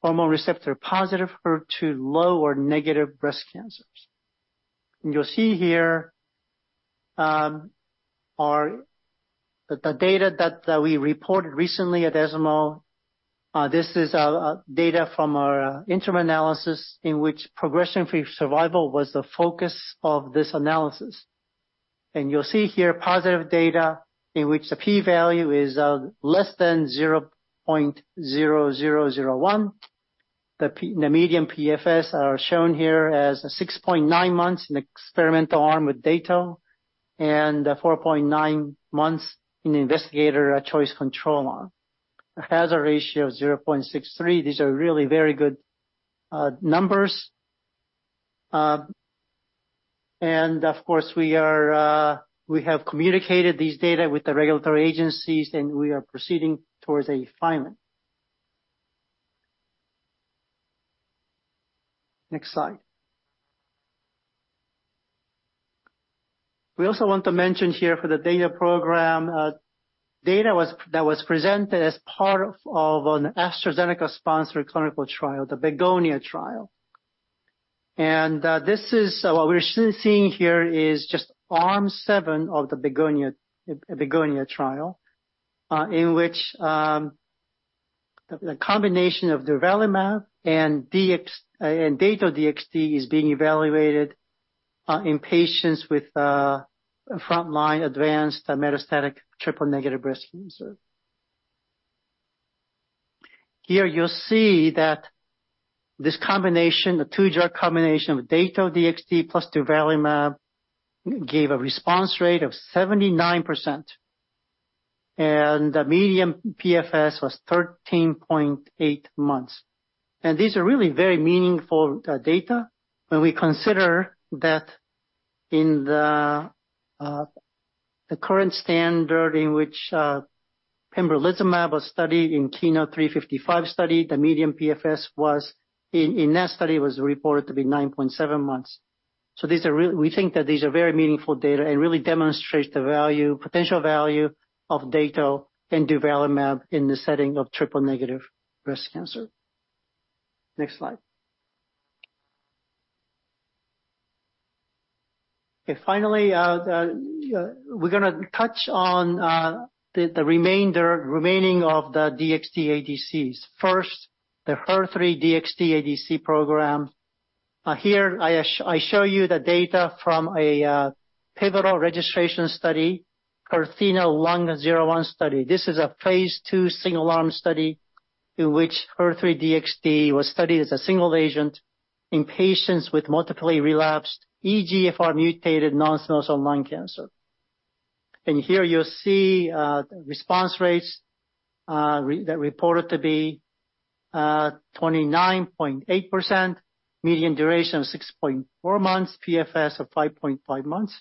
hormone receptor-positive, HER2-low or negative breast cancers. You'll see here are the data that we reported recently at ESMO. This is data from our interim analysis, in which progression-free survival was the focus of this analysis. You'll see here positive data in which the P value is less than 0.0001. The median PFS are shown here as 6.9 months in experimental arm with Dato, and 4.9 months in the investigator choice control arm. A hazard ratio of 0.63, these are really very good numbers. And of course, we are, we have communicated these data with the regulatory agencies, and we are proceeding towards a filing. Next slide. We also want to mention here for the data program, data that was presented as part of an AstraZeneca-sponsored clinical trial, the Begonia trial. This is what we're seeing here is just arm 7 of the Begonia trial, in which the combination of durvalumab and DXd and Dato-DXd is being evaluated in patients with front-line advanced metastatic triple-negative breast cancer. Here, you'll see that this combination, the two-drug combination of Dato-DXd plus durvalumab, gave a response rate of 79%, and the median PFS was 13.8 months. These are really very meaningful data when we consider that in the current standard in which pembrolizumab was studied in KEYNOTE-355 study, the median PFS, in that study, was reported to be 9.7 months. So these are really we think that these are very meaningful data and really demonstrates the value, potential value of Dato-DXd and durvalumab in the setting of triple negative breast cancer. Next slide. Finally, we're gonna touch on the remaining of the DXd ADCs. First, the HER3-DXd ADC program. Here I show you the data from a pivotal registration study, HERTHENA-Lung01 study. This is a phase II single arm study, in which HER3-DXd was studied as a single agent in patients with multiply relapsed EGFR mutated non-small cell lung cancer. Here you'll see response rates that reported to be 29.8%, median duration of 6.4 months, PFS of 5.5 months.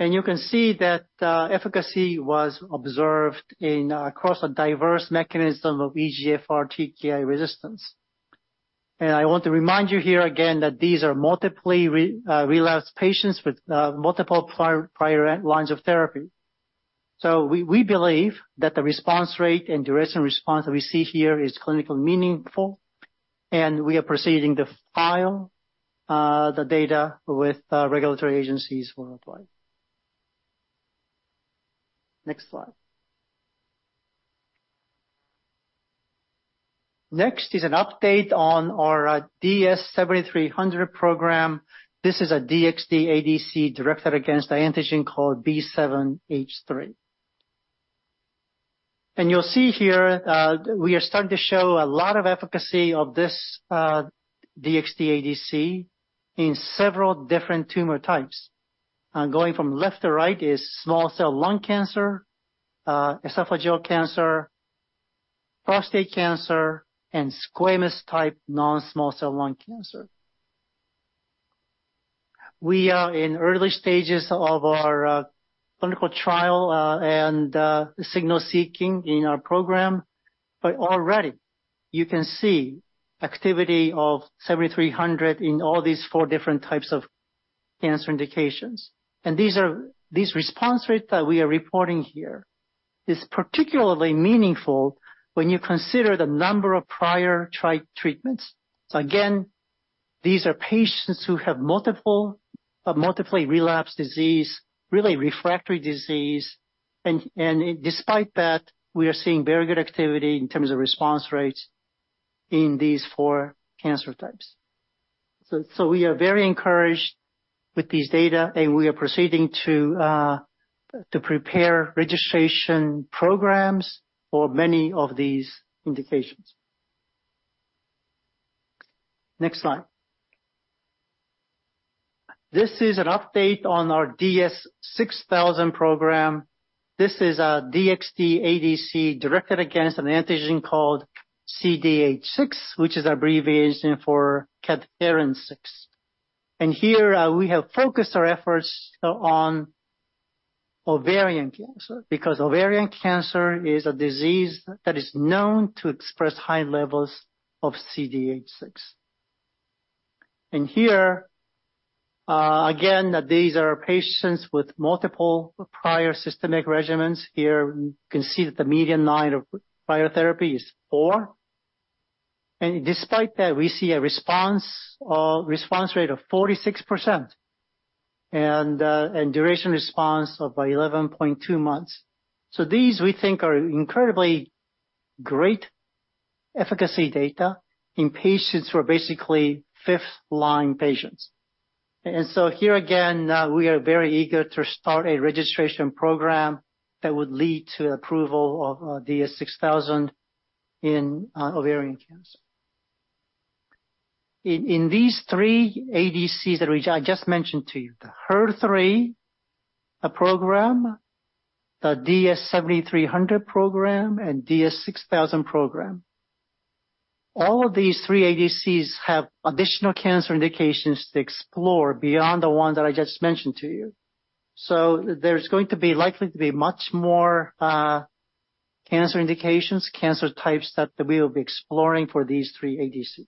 You can see that efficacy was observed in across a diverse mechanism of EGFR TKI resistance. I want to remind you here again, that these are multiply relapsed patients with multiple prior lines of therapy. So we believe that the response rate and duration response that we see here is clinically meaningful, and we are proceeding to file the data with regulatory agencies worldwide. Next slide. Next is an update on our DS-7300 program. This is a DXd ADC directed against the antigen called B7-H3. You'll see here, we are starting to show a lot of efficacy of this, DXd ADC in several different tumor types. Going from left to right is small cell lung cancer, esophageal cancer, prostate cancer, and squamous type non-small cell lung cancer. We are in early stages of our clinical trial, and signal-seeking in our program, but already you can see activity of DS-7300 in all these four different types of cancer indications. These response rates that we are reporting here is particularly meaningful when you consider the number of prior treatments. So again, these are patients who have multiple, a multiply relapsed disease, really refractory disease, and despite that, we are seeing very good activity in terms of response rates in these four cancer types. So we are very encouraged with these data, and we are proceeding to prepare registration programs for many of these indications. Next slide. This is an update on our DS-6000 program. This is a DXd ADC directed against an antigen called CDH6, which is abbreviation for cadherin six. And here, we have focused our efforts on ovarian cancer, because ovarian cancer is a disease that is known to express high levels of CDH6. And here, again, these are patients with multiple prior systemic regimens. Here, you can see that the median line of prior therapy is four. Despite that, we see a response response rate of 46%, and and duration response of 11.2 months. So these, we think, are incredibly great efficacy data in patients who are basically fifth-line patients. And so here, again, we are very eager to start a registration program that would lead to approval of DS-6000 in ovarian cancer. In these three ADCs that which I just mentioned to you, the HER3 program, the DS-7300 program, and DS-6000 program. All of these three ADCs have additional cancer indications to explore beyond the ones that I just mentioned to you. So there's going to be, likely to be much more cancer indications, cancer types that we will be exploring for these three ADCs.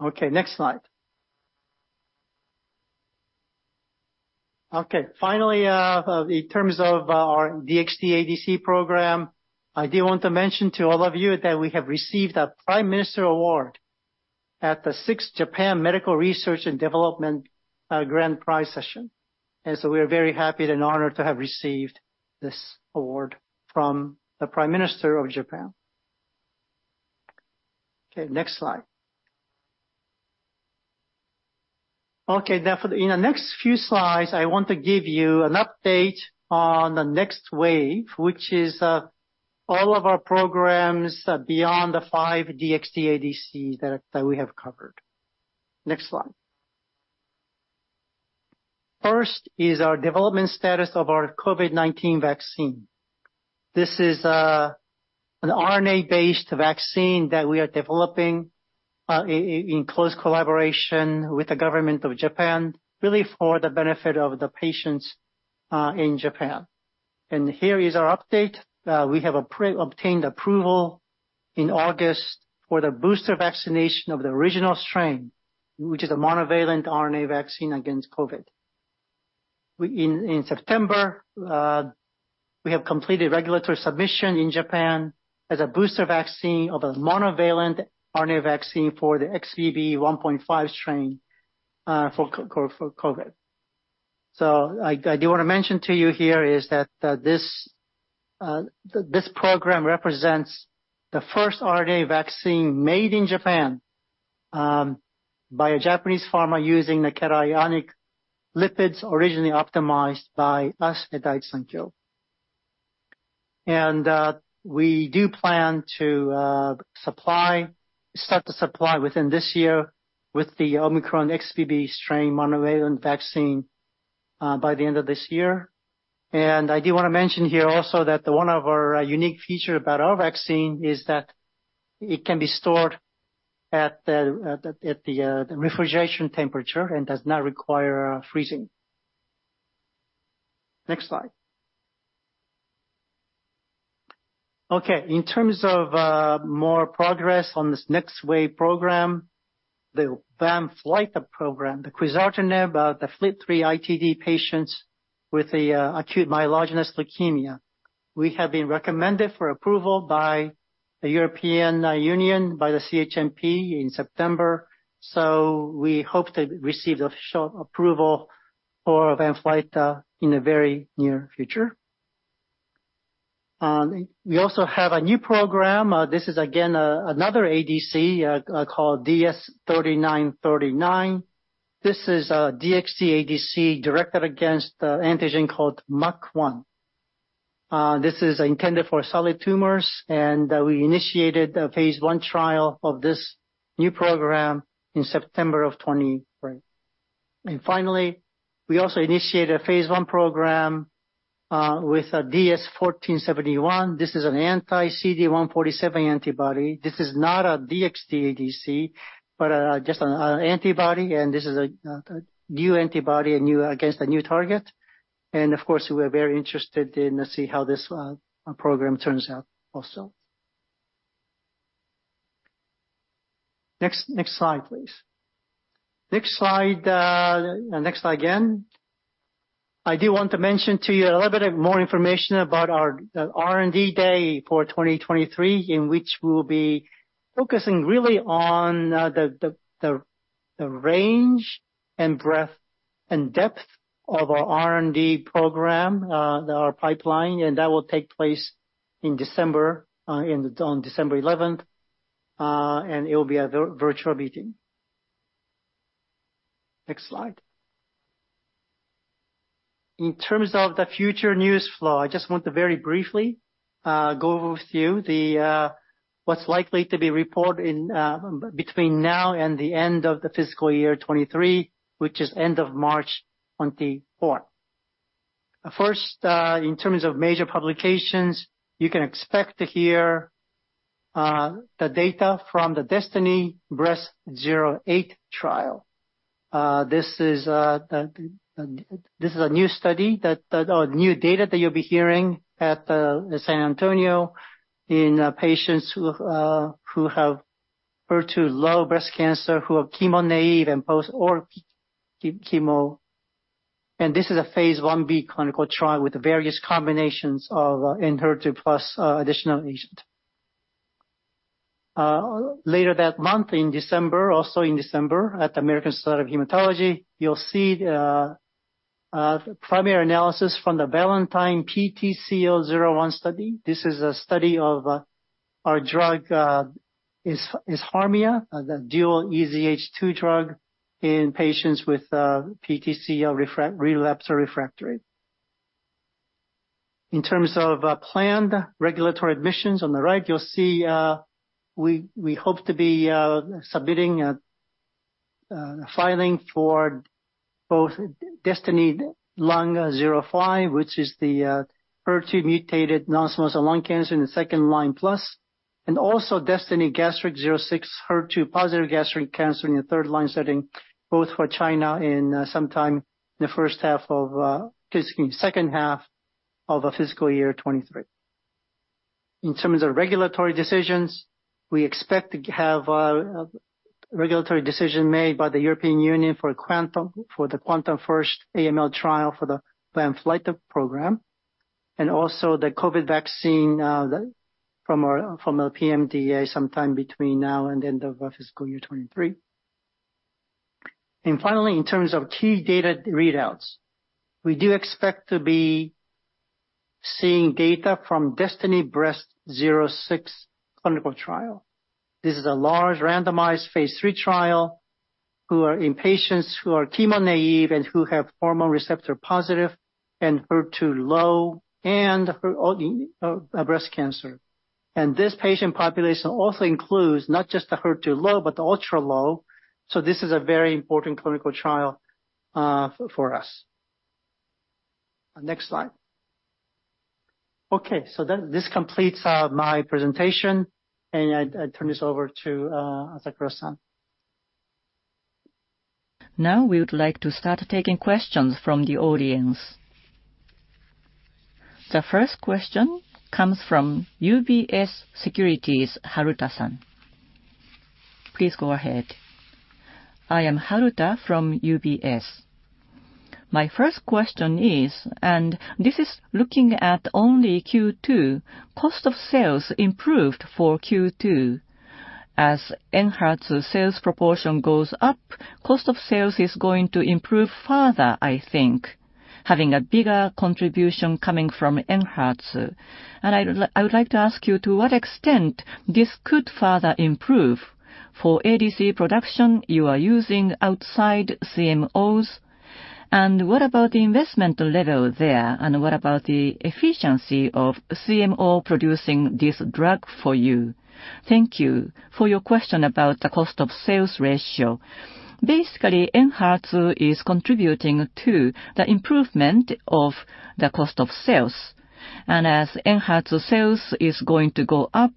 Okay, next slide. Okay, finally, in terms of our DXd ADC program, I do want to mention to all of you that we have received a Prime Minister's Award at the sixth Japan Medical Research and Development Grand Prize session. And so we are very happy and honored to have received this award from the Prime Minister of Japan. Okay, next slide. Okay, now for the, in the next few slides, I want to give you an update on the next wave, which is, all of our programs beyond the five DXd ADCs that, that we have covered. Next slide. First is our development status of our COVID-19 vaccine. This is, an RNA-based vaccine that we are developing, in close collaboration with the government of Japan, really for the benefit of the patients, in Japan. And here is our update. We have obtained approval in August for the booster vaccination of the original strain, which is a monovalent RNA vaccine against COVID. In September, we have completed regulatory submission in Japan as a booster vaccine of a monovalent RNA vaccine for the XBB.1.5 strain, for COVID. So I do wanna mention to you here is that, this program represents the first RNA vaccine made in Japan, by a Japanese pharma using the cationic lipids originally optimized by us at Daiichi Sankyo. And, we do plan to, supply, start to supply within this year with the Omicron XBB strain monovalent vaccine, by the end of this year. I do wanna mention here also that one of our unique feature about our vaccine is that it can be stored at the refrigeration temperature and does not require freezing. Next slide. Okay, in terms of more progress on this Next Wave program, the VANFLYTA program, the quizartinib, the FLT3-ITD patients with acute myelogenous leukemia. We have been recommended for approval by the European Union, by the CHMP in September, so we hope to receive the official approval for VANFLYTA in the very near future. We also have a new program, this is again another ADC called DS-3939. This is a DXd ADC directed against the antigen called MUC1. This is intended for solid tumors, and we initiated a phase I trial of this new program in September of 2023. And finally, we also initiated a phase I program with a DS-1471. This is an anti-CD147 antibody. This is not a DXd ADC, but just an antibody, and this is a new antibody, a new, against a new target. And of course, we're very interested in to see how this program turns out also. Next, next slide, please. Next slide, next slide again. I do want to mention to you a little bit of more information about our R&D day for 2023, in which we will be focusing really on the range and breadth and depth of our R&D program, our pipeline, and that will take place in December, on December 11, and it will be a virtual meeting. Next slide. In terms of the future news flow, I just want to very briefly go over with you what's likely to be reported in between now and the end of the fiscal year 2023, which is end of March 2024. First, in terms of major publications, you can expect to hear the data from the DESTINY-Breast08 trial. This is a new study or new data that you'll be hearing at the San Antonio in patients who have HER2-low breast cancer, who are chemo-naive and post or chemo. This is a phase Ib clinical trial with various combinations of ENHERTU plus additional agent. Later that month, in December, also in December, at the American Society of Hematology, you'll see the primary analysis from the valemetostat PTCL-01 study. This is a study of our drug valemetostat, the dual EZH2 drug in patients with relapsed or refractory PTCL. In terms of planned regulatory submissions, on the right you'll see we hope to be submitting a filing for both DESTINY-Lung05, which is the HER2-mutated non-small cell lung cancer in the second-line plus, and also DESTINY-Gastric06, HER2-positive gastric cancer in the third-line setting, both for China in sometime in the first half of, excuse me, second half of the fiscal year 2023. In terms of regulatory decisions, we expect to have a regulatory decision made by the European Union for QuANTUM-First, for the QuANTUM-First AML trial for the VANFLYTA program, and also the COVID vaccine from our PMDA, sometime between now and the end of the fiscal year 2023. Finally, in terms of key data readouts, we do expect to be seeing data from DESTINY-Breast06 clinical trial. This is a large, randomized, Phase III trial in patients who are chemo-naive and who have hormone receptor-positive and HER2-low breast cancer. This patient population also includes not just the HER2-low, but the ultra-low, so this is a very important clinical trial for us. Next slide. Okay, so then this completes my presentation, and I turn this over to Asakura-san. Now we would like to start taking questions from the audience. The first question comes from UBS Securities, Haruta-san. Please go ahead. I am Haruta from UBS. My first question is, and this is looking at only Q2, cost of sales improved for Q2. As ENHERTU sales proportion goes up, cost of sales is going to improve further, I think, having a bigger contribution coming from ENHERTU. And I would like to ask you, to what extent this could further improve? For ADC production, you are using outside CMOs. And what about the investment level there, and what about the efficiency of CMO producing this drug for you? Thank you for your question about the cost of sales ratio. Basically, ENHERTU is contributing to the improvement of the cost of sales. As ENHERTU sales is going to go up,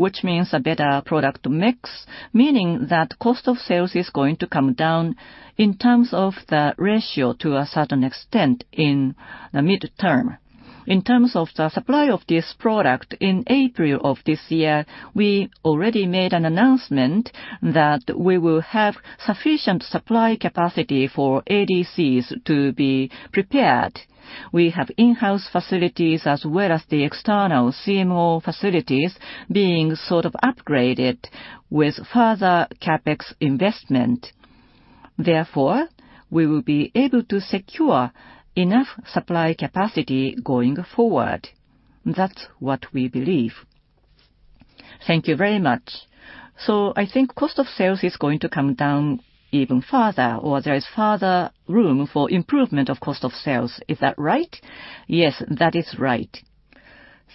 which means a better product mix, meaning that cost of sales is going to come down in terms of the ratio to a certain extent in the midterm. In terms of the supply of this product, in April of this year, we already made an announcement that we will have sufficient supply capacity for ADCs to be prepared. We have in-house facilities as well as the external CMO facilities being sort of upgraded with further CapEx investment. Therefore, we will be able to secure enough supply capacity going forward. That's what we believe. Thank you very much. So I think cost of sales is going to come down even further, or there is further room for improvement of cost of sales. Is that right? Yes, that is right.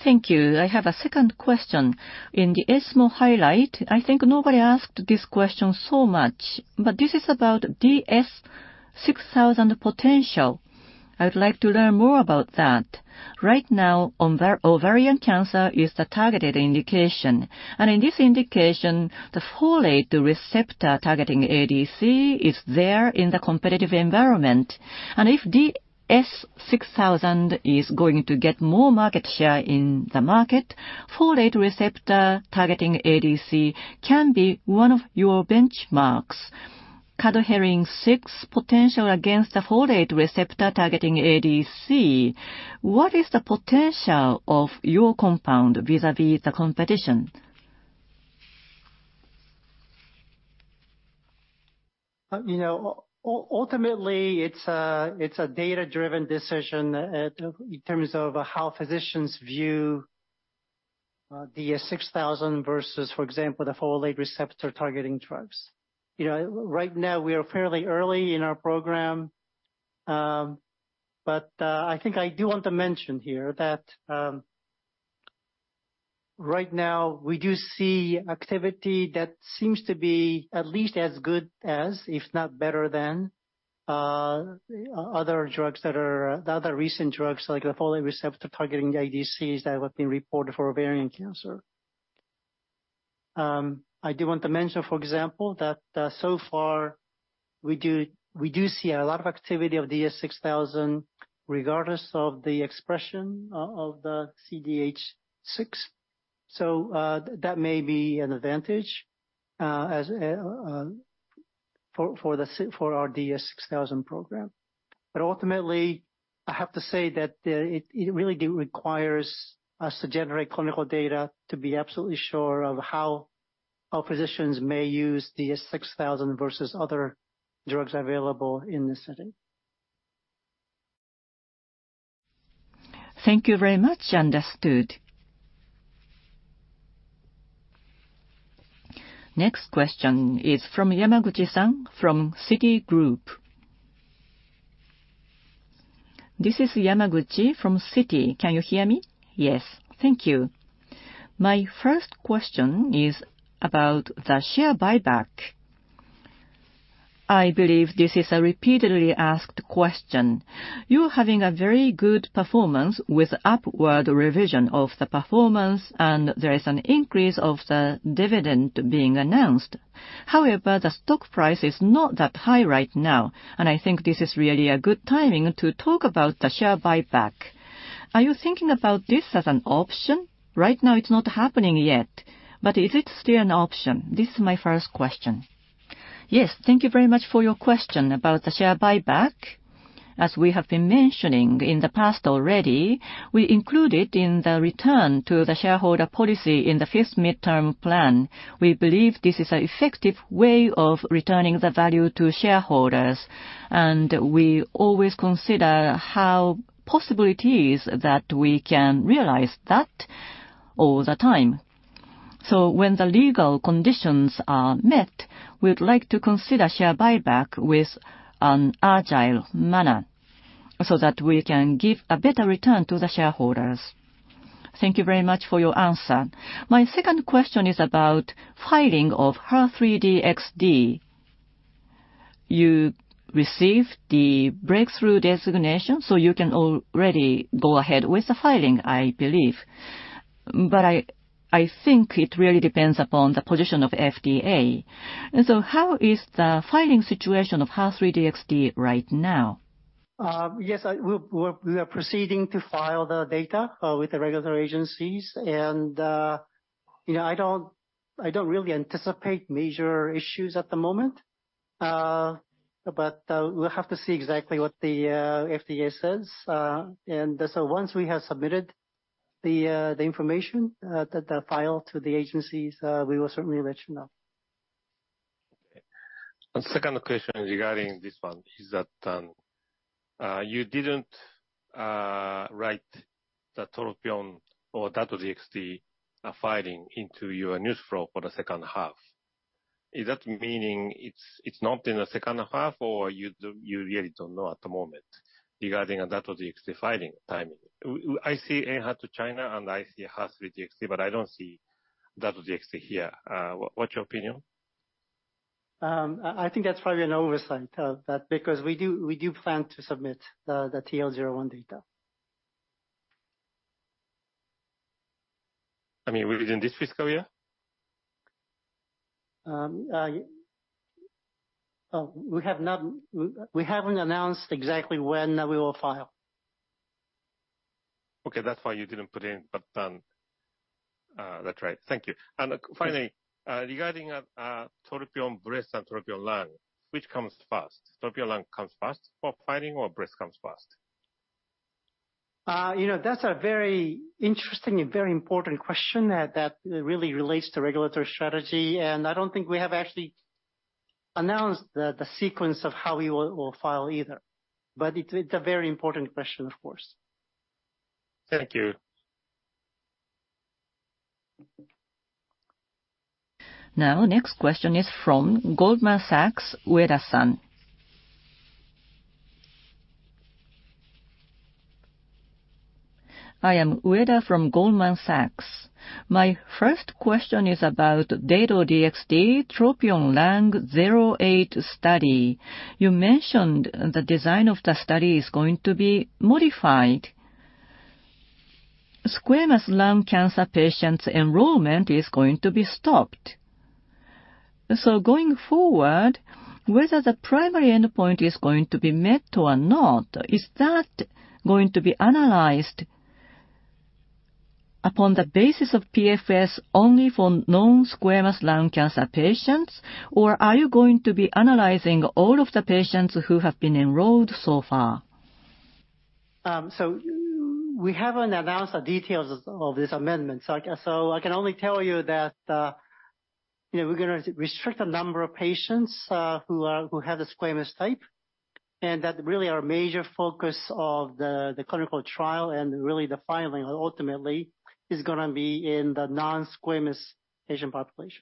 Thank you. I have a second question. In the ESMO highlight, I think nobody asked this question so much, but this is about DS-6000 potential. I would like to learn more about that. Right now, ovarian cancer is the targeted indication, and in this indication, the folate receptor targeting ADC is there in the competitive environment. And if DS-6000 is going to get more market share in the market, folate receptor targeting ADC can be one of your benchmarks. Cadherin-6 potential against the folate receptor targeting ADC, what is the potential of your compound vis-a-vis the competition? You know, ultimately, it's a data-driven decision in terms of how physicians view DS-6000 versus, for example, the folate receptor-targeting drugs. You know, right now, we are fairly early in our program, but I think I do want to mention here that right now, we do see activity that seems to be at least as good as, if not better than, other drugs that are the other recent drugs, like the folate receptor-targeting ADCs that have been reported for ovarian cancer. I do want to mention, for example, that so far we do, we do see a lot of activity of DS-6000, regardless of the expression of the CDH6. So, that may be an advantage as for our DS-6000 program. But ultimately, I have to say that it really requires us to generate clinical data to be absolutely sure of how our physicians may use DS-6000 versus other drugs available in the setting. Thank you very much. Understood. Next question is from Yamaguchi-san, from Citigroup. This is Yamaguchi from Citi. Can you hear me? Yes. Thank you. My first question is about the share buyback. I believe this is a repeatedly asked question. You're having a very good performance with upward revision of the performance, and there is an increase of the dividend being announced. However, the stock price is not that high right now, and I think this is really a good timing to talk about the share buyback. Are you thinking about this as an option? Right now, it's not happening yet, but is it still an option? This is my first question. Yes, thank you very much for your question about the share buyback. As we have been mentioning in the past already, we included in the return to the shareholder policy in the fifth midterm plan. We believe this is an effective way of returning the value to shareholders, and we always consider how possible it is that we can realize that all the time... So when the legal conditions are met, we'd like to consider share buyback with an agile manner, so that we can give a better return to the shareholders. Thank you very much for your answer. My second question is about filing of HER3-DXd. You received the breakthrough designation, so you can already go ahead with the filing, I believe. But I, I think it really depends upon the position of FDA. And so how is the filing situation of HER3-DXd right now? Yes, we are proceeding to file the data with the regular agencies, and, you know, I don't really anticipate major issues at the moment. But we'll have to see exactly what the FDA says. And so once we have submitted the information, the file to the agencies, we will certainly let you know. Second question regarding this one is that you didn't write the TROPION or Dato-DXd filing into your news flow for the second half. Is that meaning it's not in the second half, or you really don't know at the moment regarding Dato-DXd filing timing? I see ENHERTU China, and I see HER3-DXd, but I don't see Dato-DXd here. What's your opinion? I think that's probably an oversight, that because we do plan to submit the TL-01 data. I mean, within this fiscal year? We haven't announced exactly when we will file. Okay, that's why you didn't put it in, but, that's right. Thank you. And finally, regarding TROPION-Breast and TROPION-Lung, which comes first? TROPION-Lung comes first for filing, or breast comes first? You know, that's a very interesting and very important question that really relates to regulatory strategy, and I don't think we have actually announced the sequence of how we will file either. But it's a very important question, of course. Thank you. Now, next question is from Goldman Sachs, Ueda-san. I am Ueda from Goldman Sachs. My first question is about Dato-DXd TROPION-Lung08 study. You mentioned the design of the study is going to be modified. Squamous cell lung cancer patients' enrollment is going to be stopped. So going forward, whether the primary endpoint is going to be met or not, is that going to be analyzed upon the basis of PFS only for known squamous lung cancer patients? Or are you going to be analyzing all of the patients who have been enrolled so far? So we haven't announced the details of this amendment. So I can only tell you that, you know, we're gonna restrict the number of patients who have a squamous type, and that really our major focus of the clinical trial and really the filing, ultimately, is gonna be in the non-squamous patient population.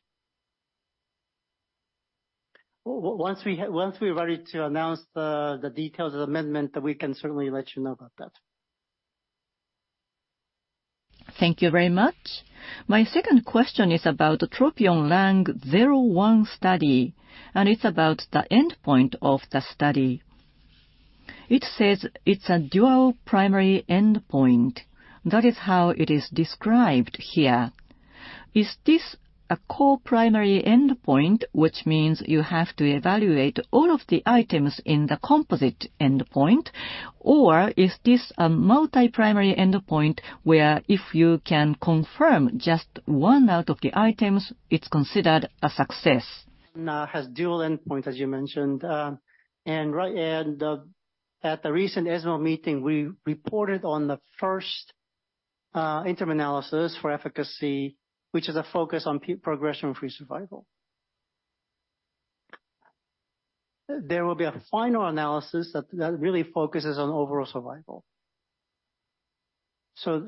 Once we're ready to announce the details of the amendment, we can certainly let you know about that. Thank you very much. My second question is about the TROPION-Lung01 study, and it's about the endpoint of the study. It says it's a dual primary endpoint. That is how it is described here. Is this a core primary endpoint, which means you have to evaluate all of the items in the composite endpoint, or is this a multi-primary endpoint, where if you can confirm just one out of the items, it's considered a success? Has dual endpoint, as you mentioned, right, and at the recent ESMO meeting, we reported on the first interim analysis for efficacy, which is a focus on progression-free survival. There will be a final analysis that really focuses on overall survival. So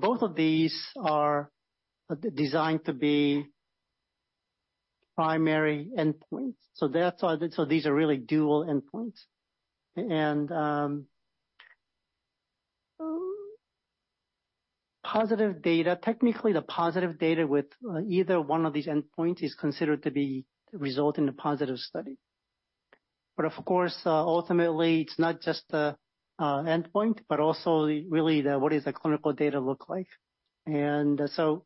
both of these are designed to be primary endpoints. So that's why these are really dual endpoints. Positive data, technically, the positive data with either one of these endpoints is considered to result in a positive study. But of course, ultimately, it's not just the endpoint, but also really the what is the clinical data look like. So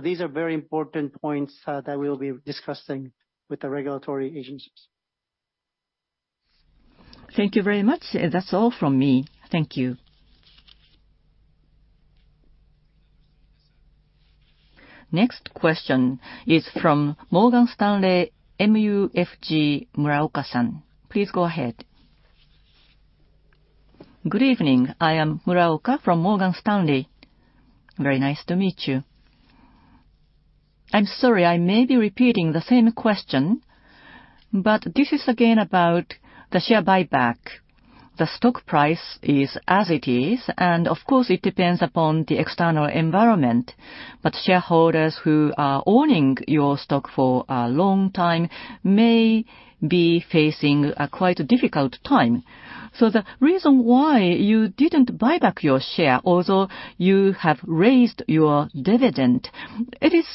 these are very important points that we'll be discussing with the regulatory agencies. Thank you very much. That's all from me. Thank you. Next question is from Morgan Stanley MUFG, Muraoka-san. Please go ahead. Good evening. I am Muraoka from Morgan Stanley. Very nice to meet you. I'm sorry, I may be repeating the same question, but this is again about the share buyback. The stock price is as it is, and of course, it depends upon the external environment. But shareholders who are owning your stock for a long time may be facing a quite difficult time. So the reason why you didn't buy back your share, although you have raised your dividend, it is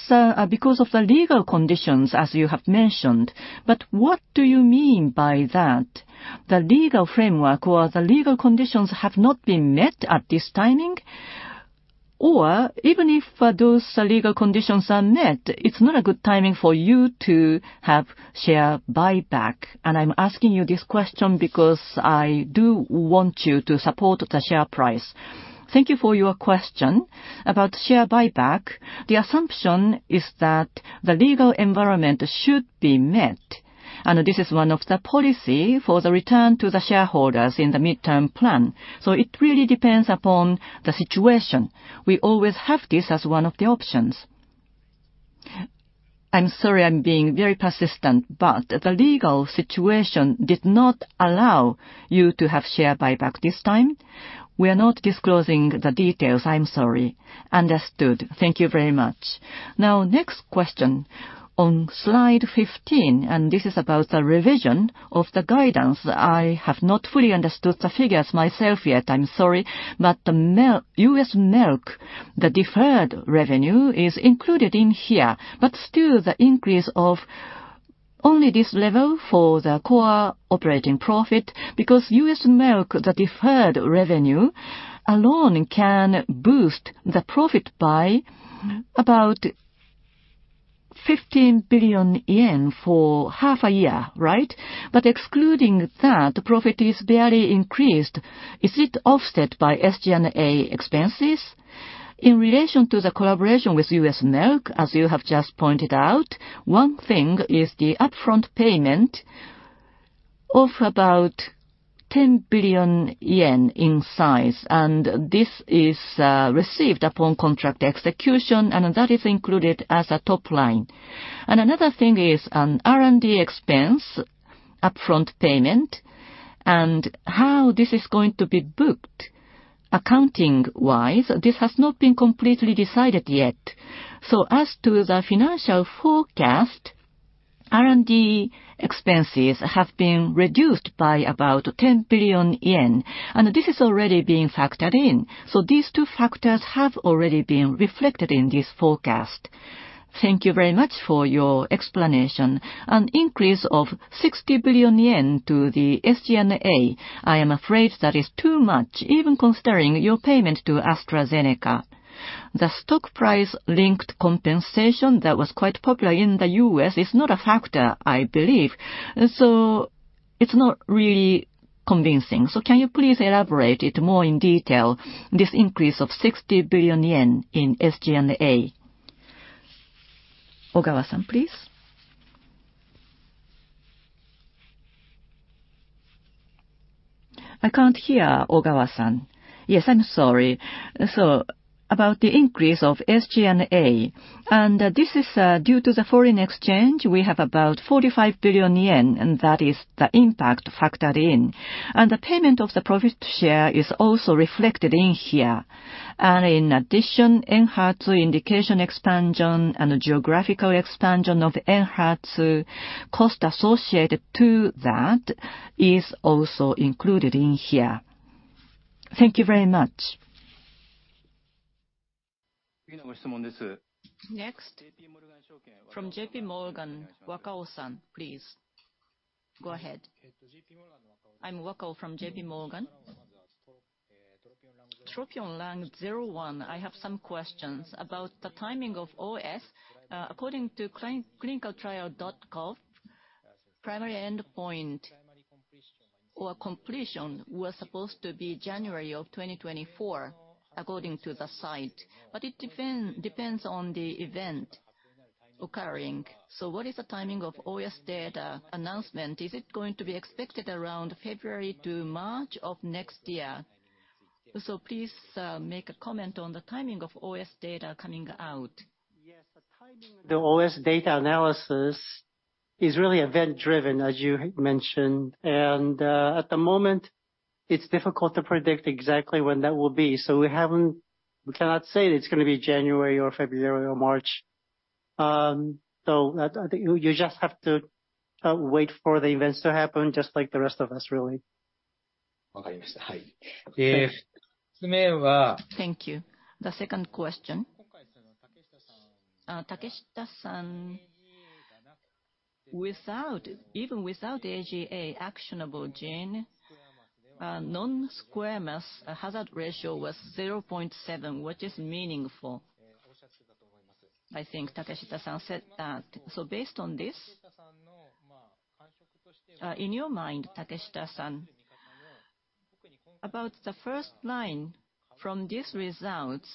because of the legal conditions, as you have mentioned. But what do you mean by that? The legal framework or the legal conditions have not been met at this timing? Or even if those legal conditions are met, it's not a good timing for you to have share buyback. And I'm asking you this question because I do want you to support the share price. Thank you for your question. About share buyback, the assumption is that the legal environment should be met, and this is one of the policy for the return to the shareholders in the midterm plan. So it really depends upon the situation. We always have this as one of the options. I'm sorry, I'm being very persistent, but the legal situation did not allow you to have share buyback this time. We are not disclosing the details. I'm sorry. Understood. Thank you very much. Now, next question. On slide 15, and this is about the revision of the guidance. I have not fully understood the figures myself yet. I'm sorry. But the Merck, the deferred revenue, is included in here. But still, the increase of only this level for the core operating profit, because Merck, the deferred revenue alone can boost the profit by about 15 billion yen for half a year, right? But excluding that, the profit is barely increased. Is it offset by SG&A expenses? In relation to the collaboration with Merck, as you have just pointed out, one thing is the upfront payment of about 10 billion yen in size, and this is received upon contract execution, and that is included as a top line. And another thing is an R&D expense, upfront payment, and how this is going to be booked accounting-wise, this has not been completely decided yet. So as to the financial forecast, R&D expenses have been reduced by about 10 billion yen, and this is already being factored in. So these two factors have already been reflected in this forecast. Thank you very much for your explanation. An increase of 60 billion yen to the SG&A, I am afraid that is too much, even considering your payment to AstraZeneca. The stock price-linked compensation that was quite popular in the U.S. is not a factor, I believe, so it's not really convincing. So can you please elaborate it more in detail, this increase of 60 billion yen in SG&A? Okuzawa-san, please. I can't hear Okuzawa. Yes, I'm sorry. So about the increase of SG&A, and this is due to the foreign exchange. We have about 45 billion yen, and that is the impact factored in. And the payment of the profit share is also reflected in here. In addition, ENHERTU indication expansion and geographical expansion of ENHERTU, cost associated to that is also included in here. Thank you very much. Next, from JPMorgan, Wakao-san, please. Go ahead. I'm Wakao from JPMorgan. TROPION-Lung01, I have some questions about the timing of OS. According to clinicaltrials.gov, primary endpoint or completion was supposed to be January of 2024, according to the site, but it depends on the event occurring. So what is the timing of OS data announcement? Is it going to be expected around February to March of next year? So please, make a comment on the timing of OS data coming out. Yes, the timing, the OS data analysis is really event-driven, as you mentioned. And, at the moment, it's difficult to predict exactly when that will be. So we cannot say it's gonna be January or February or March. So I think you just have to wait for the events to happen, just like the rest of us, really. Thank you. The second question. Takeshita-san, without, even without the AGA actionable gene, non-squamous hazard ratio was 0.7, which is meaningful. I think Takeshita-san said that. So based on this, in your mind, Takeshita-san, about the first line from these results,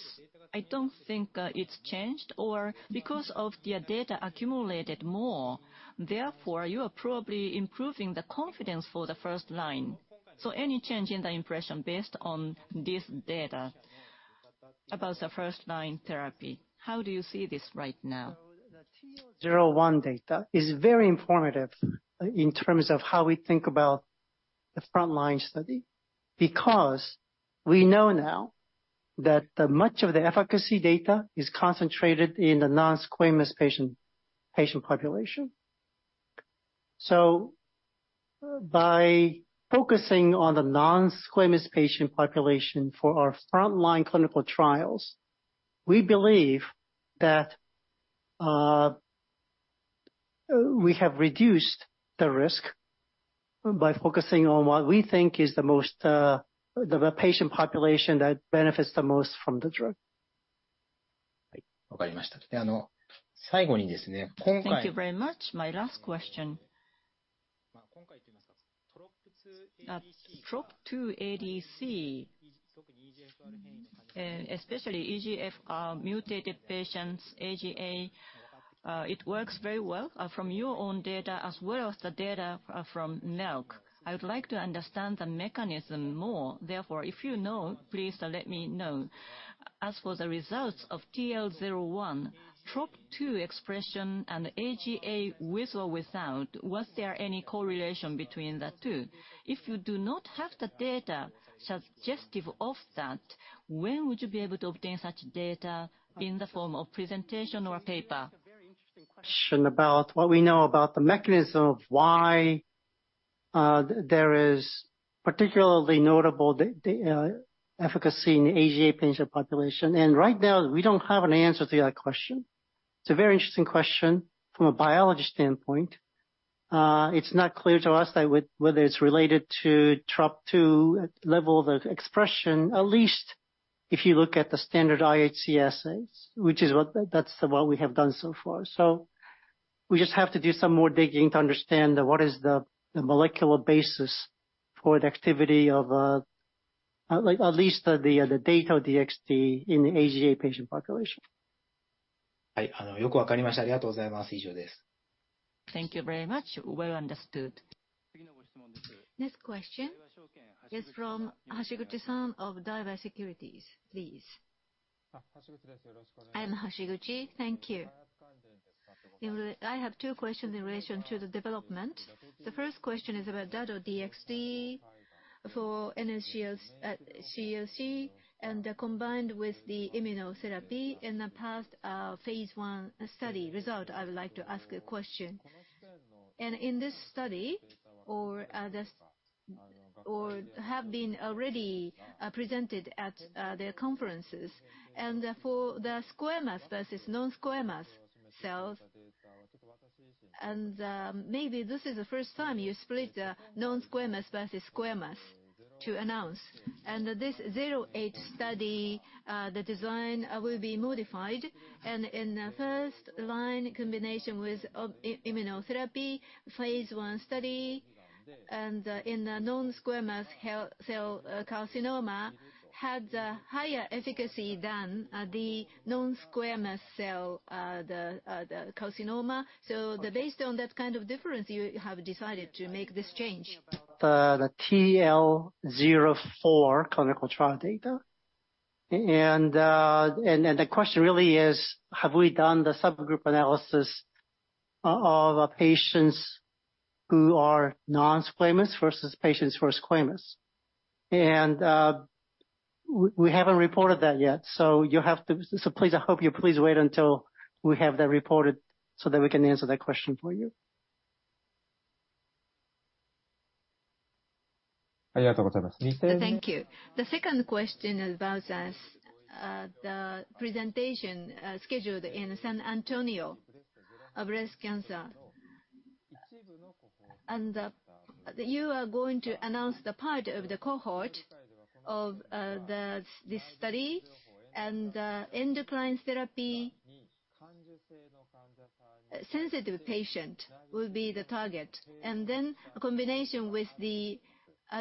I don't think it's changed? Or because of the data accumulated more, therefore, you are probably improving the confidence for the first line. So any change in the impression based on this data? About the first-line therapy, how do you see this right now? The zero one data is very informative, in terms of how we think about the front-line study, because we know now that much of the efficacy data is concentrated in the non-squamous patient, patient population. By focusing on the non-squamous patient population for our front-line clinical trials, we believe that, we have reduced the risk by focusing on what we think is the most, the patient population that benefits the most from the drug. Thank you very much. My last question. TROP2 ADC, especially EGFR mutated patients, AGA, it works very well, from your own data as well as the data from Merck. I would like to understand the mechanism more. Therefore, if you know, please let me know. As for the results of TL-01, TROP2 expression and the AGA, with or without, was there any correlation between the two? If you do not have the data suggestive of that, when would you be able to obtain such data in the form of presentation or paper? A very interesting question about what we know about the mechanism of why there is particularly notable the efficacy in the AGA patient population, and right now, we don't have an answer to that question. It's a very interesting question from a biology standpoint. It's not clear to us that whether it's related to TROP2 level, the expression, at least if you look at the standard IHC assays, which is that's what we have done so far. So we just have to do some more digging to understand what is the molecular basis for the activity of at least the Dato-DXd in the AGA patient population. Thank you very much. Well understood. Next question is from Hashiguchi-san of Daiwa Securities, please. I am Hashiguchi. Thank you. I have two questions in relation to the development. The first question is about Dato-DXd for NSCLC and combined with the immunotherapy in the past phase 1 study result. I would like to ask a question. And in this study, or this or have been already presented at their conferences, and for the squamous versus non-squamous cells, and maybe this is the first time you split the non-squamous versus squamous to announce. And this zero eight study, the design will be modified, and in the first line, combination with immunotherapy, phase 1 study, and in the non-squamous cell carcinoma had a higher efficacy than the non-squamous cell the the carcinoma. So based on that kind of difference, you have decided to make this change. The TL-04 clinical trial data. The question really is, have we done the subgroup analysis of patients who are non-squamous versus patients who are squamous? We haven't reported that yet, so you'll have to... So please, I hope you please wait until we have that reported so that we can answer that question for you. Thank you. The second question is about the presentation scheduled in San Antonio of breast cancer. And you are going to announce the part of the cohort of this study, and endocrine therapy-sensitive patient will be the target. And then combination with the,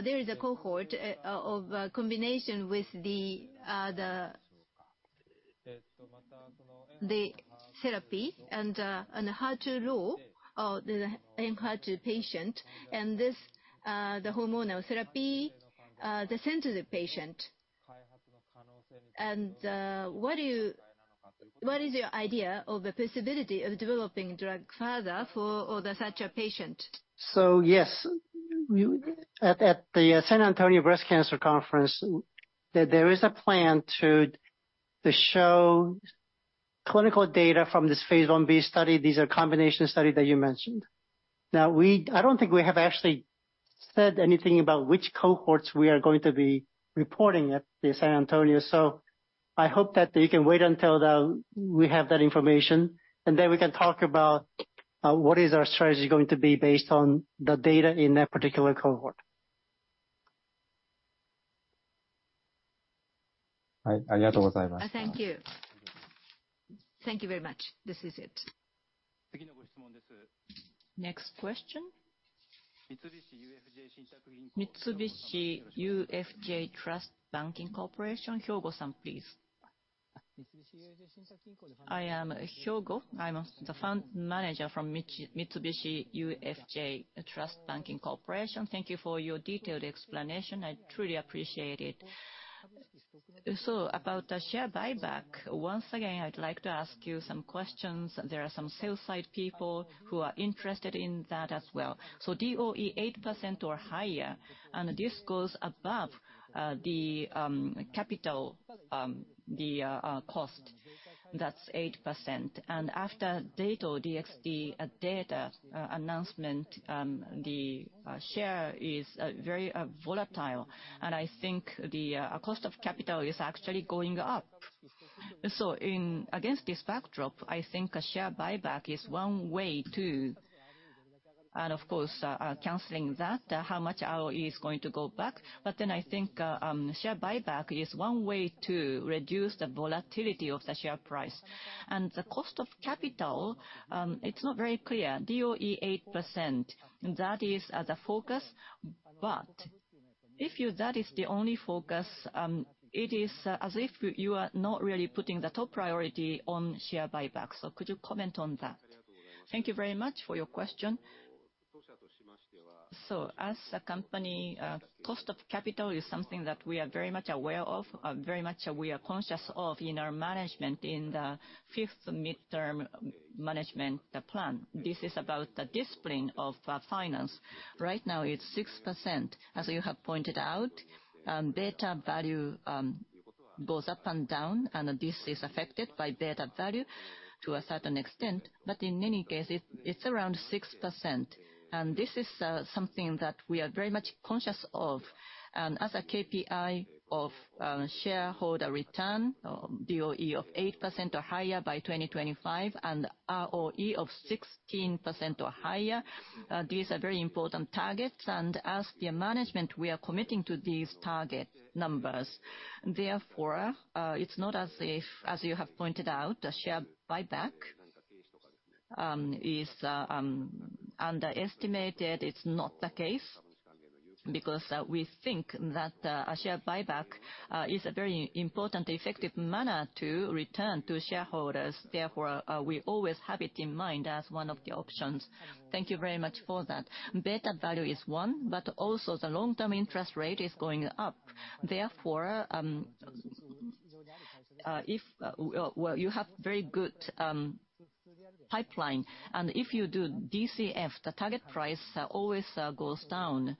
there is a cohort of combination with the the therapy and and HER2-low HER2-low patient, and this the hormonal therapy the sensitive patient. And what do you- what is your idea of the possibility of developing drug further for or such a patient? So, yes, we at the San Antonio Breast Cancer Conference, there is a plan to show clinical data from this Phase 1b study. These are combination study that you mentioned. Now, I don't think we have actually said anything about which cohorts we are going to be reporting at the San Antonio. So I hope that you can wait until we have that information, and then we can talk about what is our strategy going to be based on the data in that particular cohort. Thank you. Thank you very much. This is it. Next question. Mitsubishi UFJ Trust Banking Corporation, Hyogo-san, please. I am Hyogo, I'm the fund manager from Mitsubishi UFJ Trust Banking Corporation. Thank you for your detailed explanation. I truly appreciate it. About the share buyback, once again, I'd like to ask you some questions. There are some sell-side people who are interested in that as well. So DOE 8% or higher, and this goes above the capital cost, that's 8%. And after Dato-DXd data announcement, the share is very volatile, and I think the cost of capital is actually going up. So against this backdrop, I think a share buyback is one way to. And of course, canceling that, how much ROE is going to go back? But then I think, share buyback is one way to reduce the volatility of the share price. And the cost of capital, it's not very clear. DOE 8%, that is, the focus. But if you, that is the only focus, it is as if you are not really putting the top priority on share buybacks. So could you comment on that? Thank you very much for your question. So as a company, cost of capital is something that we are very much aware of, very much we are conscious of in our management in the fifth midterm management plan. This is about the discipline of finance. Right now, it's 6%. As you have pointed out, beta value goes up and down, and this is affected by beta value to a certain extent. But in any case, it's around 6%, and this is something that we are very much conscious of. And as a KPI of shareholder return, DOE of 8% or higher by 2025, and ROE of 16% or higher, these are very important targets, and as the management, we are committing to these target numbers. Therefore, it's not as if, as you have pointed out, the share buyback is underestimated. It's not the case, because we think that a share buyback is a very important, effective manner to return to shareholders. Therefore, we always have it in mind as one of the options. Thank you very much for that. Beta value is one, but also the long-term interest rate is going up. Therefore, if, well, you have very good pipeline, and if you do DCF, the target price always goes down.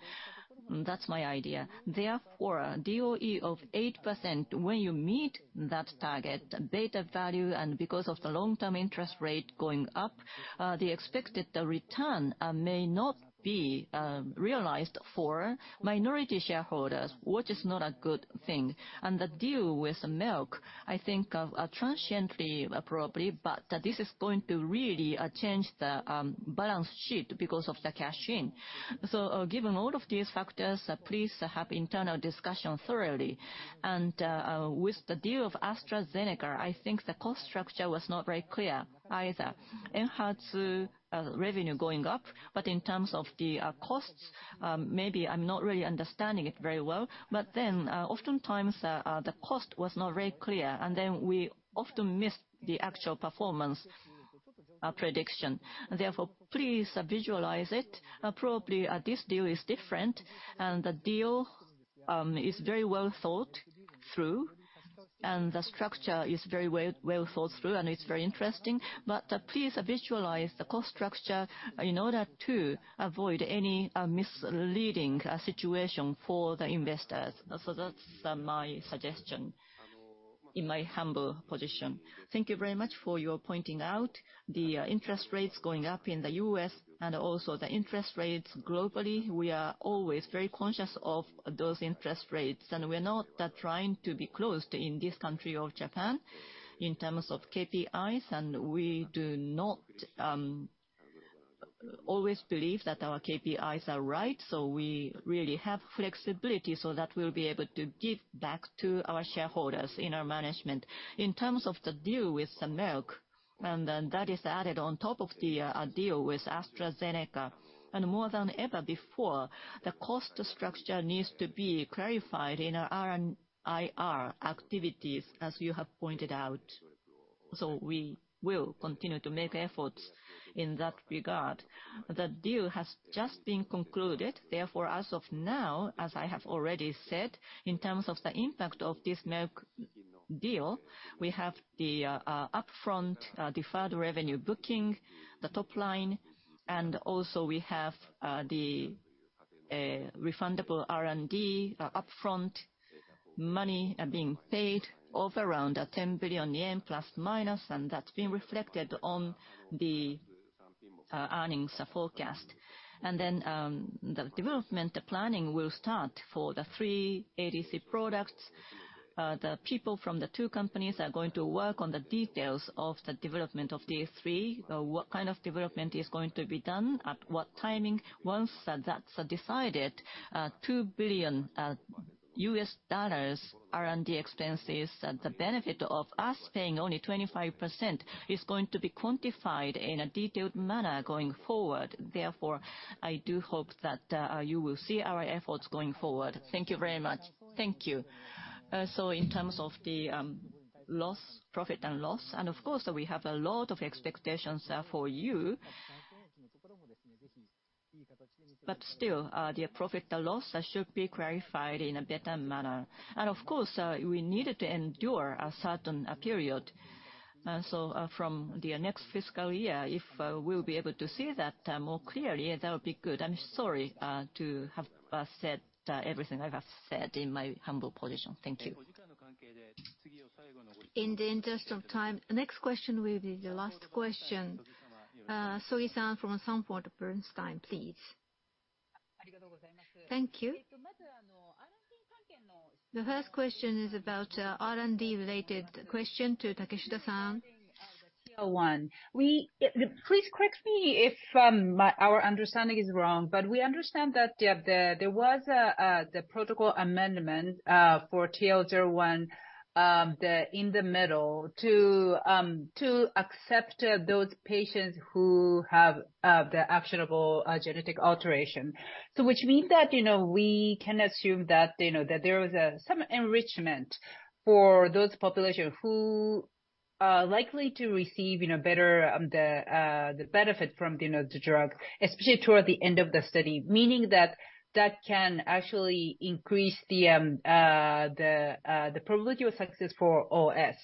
That's my idea. Therefore, DOE of 8%, when you meet that target, beta value, and because of the long-term interest rate going up, the expected return may not be realized for minority shareholders, which is not a good thing. And the deal with Merck, I think, transiently, probably, but this is going to really change the balance sheet because of the cash in. So, given all of these factors, please have internal discussion thoroughly. And, with the deal of AstraZeneca, I think the cost structure was not very clear either. ENHERTU revenue going up, but in terms of the costs, maybe I'm not really understanding it very well. But then, oftentimes, the cost was not very clear, and then we often missed the actual performance, prediction. Therefore, please visualize it. Probably, this deal is different, and the deal is very well thought through, and the structure is very well, well thought through, and it's very interesting. But, please visualize the cost structure in order to avoid any, misleading, situation for the investors. So that's my suggestion in my humble position. Thank you very much for your pointing out. The, interest rates going up in the U.S. and also the interest rates globally, we are always very conscious of those interest rates, and we're not trying to be closed in this country of Japan in terms of KPIs, and we do not always believe that our KPIs are right. So we really have flexibility so that we'll be able to give back to our shareholders in our management. In terms of the deal with Merck and then that is added on top of the deal with AstraZeneca. More than ever before, the cost structure needs to be clarified in our R&IR activities, as you have pointed out. So we will continue to make efforts in that regard. The deal has just been concluded. Therefore, as of now, as I have already said, in terms of the impact of this Merck deal, we have the upfront deferred revenue booking, the top line, and also we have the refundable R&D upfront money being paid of around 10 billion yen, plus or minus, and that's been reflected on the earnings forecast. And then, the development planning will start for the three ADC products. The people from the two companies are going to work on the details of the development of these three. What kind of development is going to be done, at what timing? Once that's decided, $2 billion R&D expenses, the benefit of us paying only 25% is going to be quantified in a detailed manner going forward. Therefore, I do hope that you will see our efforts going forward. Thank you very much. Thank you. So in terms of the loss, profit and loss, and of course, we have a lot of expectations for you. But still, the profit, the loss, that should be clarified in a better manner. Of course, we needed to endure a certain period. From the next fiscal year, if we'll be able to see that more clearly, that would be good. I'm sorry to have said everything I have said in my humble position. Thank you. In the interest of time, next question will be the last question. Sogi-san from Sanford Bernstein, please. Thank you. The first question is about R&D-related question to Takeshita-san. One, we please correct me if my our understanding is wrong, but we understand that the there was a the protocol amendment for TL01 the in the middle to to accept those patients who have the actionable genetic alteration. So which means that, you know, we can assume that, you know, that there was some enrichment for those population who are likely to receive, you know, better the the the benefit from, you know, the drug, especially toward the end of the study. Meaning that that can actually increase the the the probability of success for OS.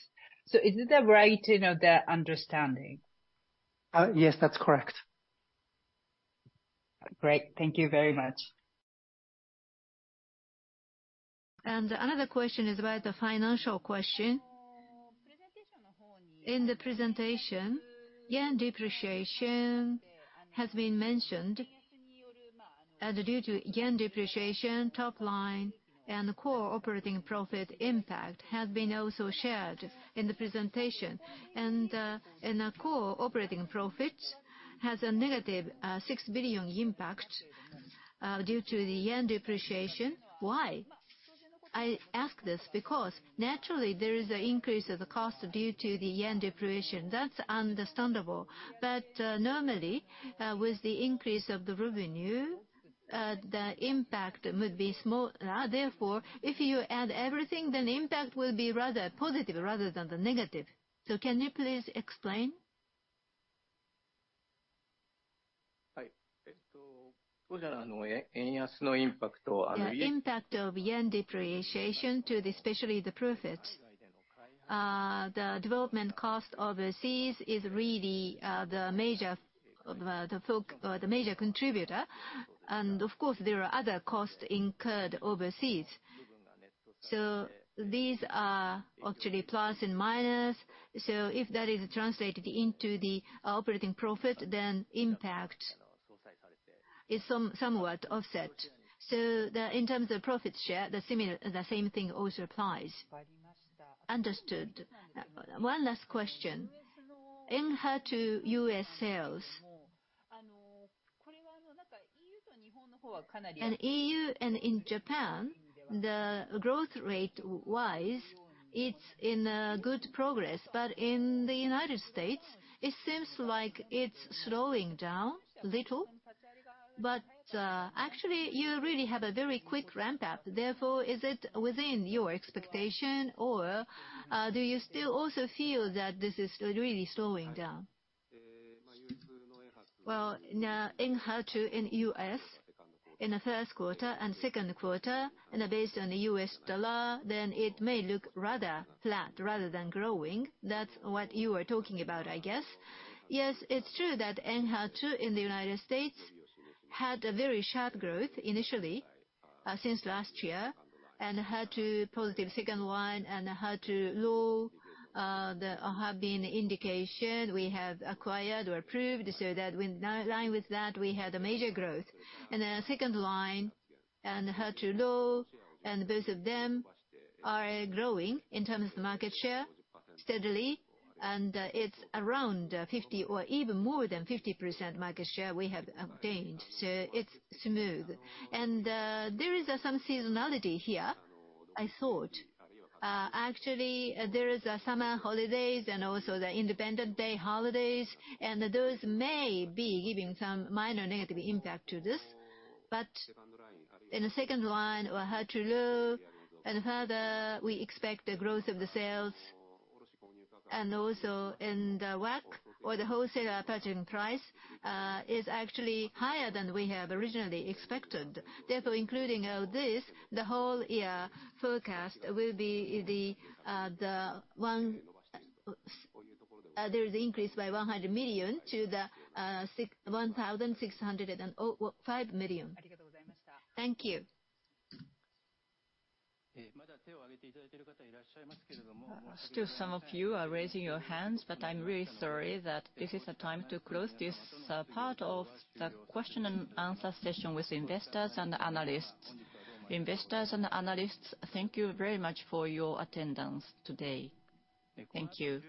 So is it the right, you know, the understanding? Yes, that's correct. Great. Thank you very much. And another question is about the financial question. In the presentation, yen depreciation has been mentioned, and due to yen depreciation, top line and core operating profit impact has been also shared in the presentation. And in our core operating profits, has a negative 6 billion impact due to the yen depreciation. Why? I ask this because naturally there is an increase of the cost due to the yen depreciation. That's understandable. But normally with the increase of the revenue the impact would be small. Therefore, if you add everything, then impact will be rather positive rather than the negative. So can you please explain? The impact of yen depreciation to the, especially the profit, the development cost overseas is really the major contributor. And of course, there are other costs incurred overseas. So these are actually plus and minus. So if that is translated into the operating profit, then impact is somewhat offset. So in terms of profit share, the similar, the same thing also applies. Understood. One last question. ENHERTU U.S. sales... In EU and in Japan, the growth rate wise, it's in good progress. But in the United States, it seems like it's slowing down a little. But actually, you really have a very quick ramp up. Therefore, is it within your expectation or do you still also feel that this is really slowing down? Well, now, ENHERTU, in U.S., in the first quarter and second quarter, and based on the U.S. dollar, then it may look rather flat rather than growing. That's what you are talking about, I guess. Yes, it's true that HER2 in the United States had a very sharp growth initially, since last year, and HER2 positive second line and HER2-low, there have been indications we have acquired or approved, so that in line with that, we had a major growth. And, second line and HER2-low, and both of them are growing in terms of market share steadily, and, it's around, 50 or even more than 50% market share we have obtained. So it's smooth. And, there is, some seasonality here, I thought. Actually, there is, summer holidays and also the Independence Day holidays, and those may be giving some minor negative impact to this. But in the second line or HER2-low and further, we expect the growth of the sales. Also in the WAC or the wholesale purchasing price is actually higher than we have originally expected. Therefore, including this, the whole year forecast will be the one there is increase by 100 million to the 6,105 million. Thank you. Still some of you are raising your hands, but I'm really sorry that this is the time to close this part of the question and answer session with investors and analysts. Investors and analysts, thank you very much for your attendance today. Thank you.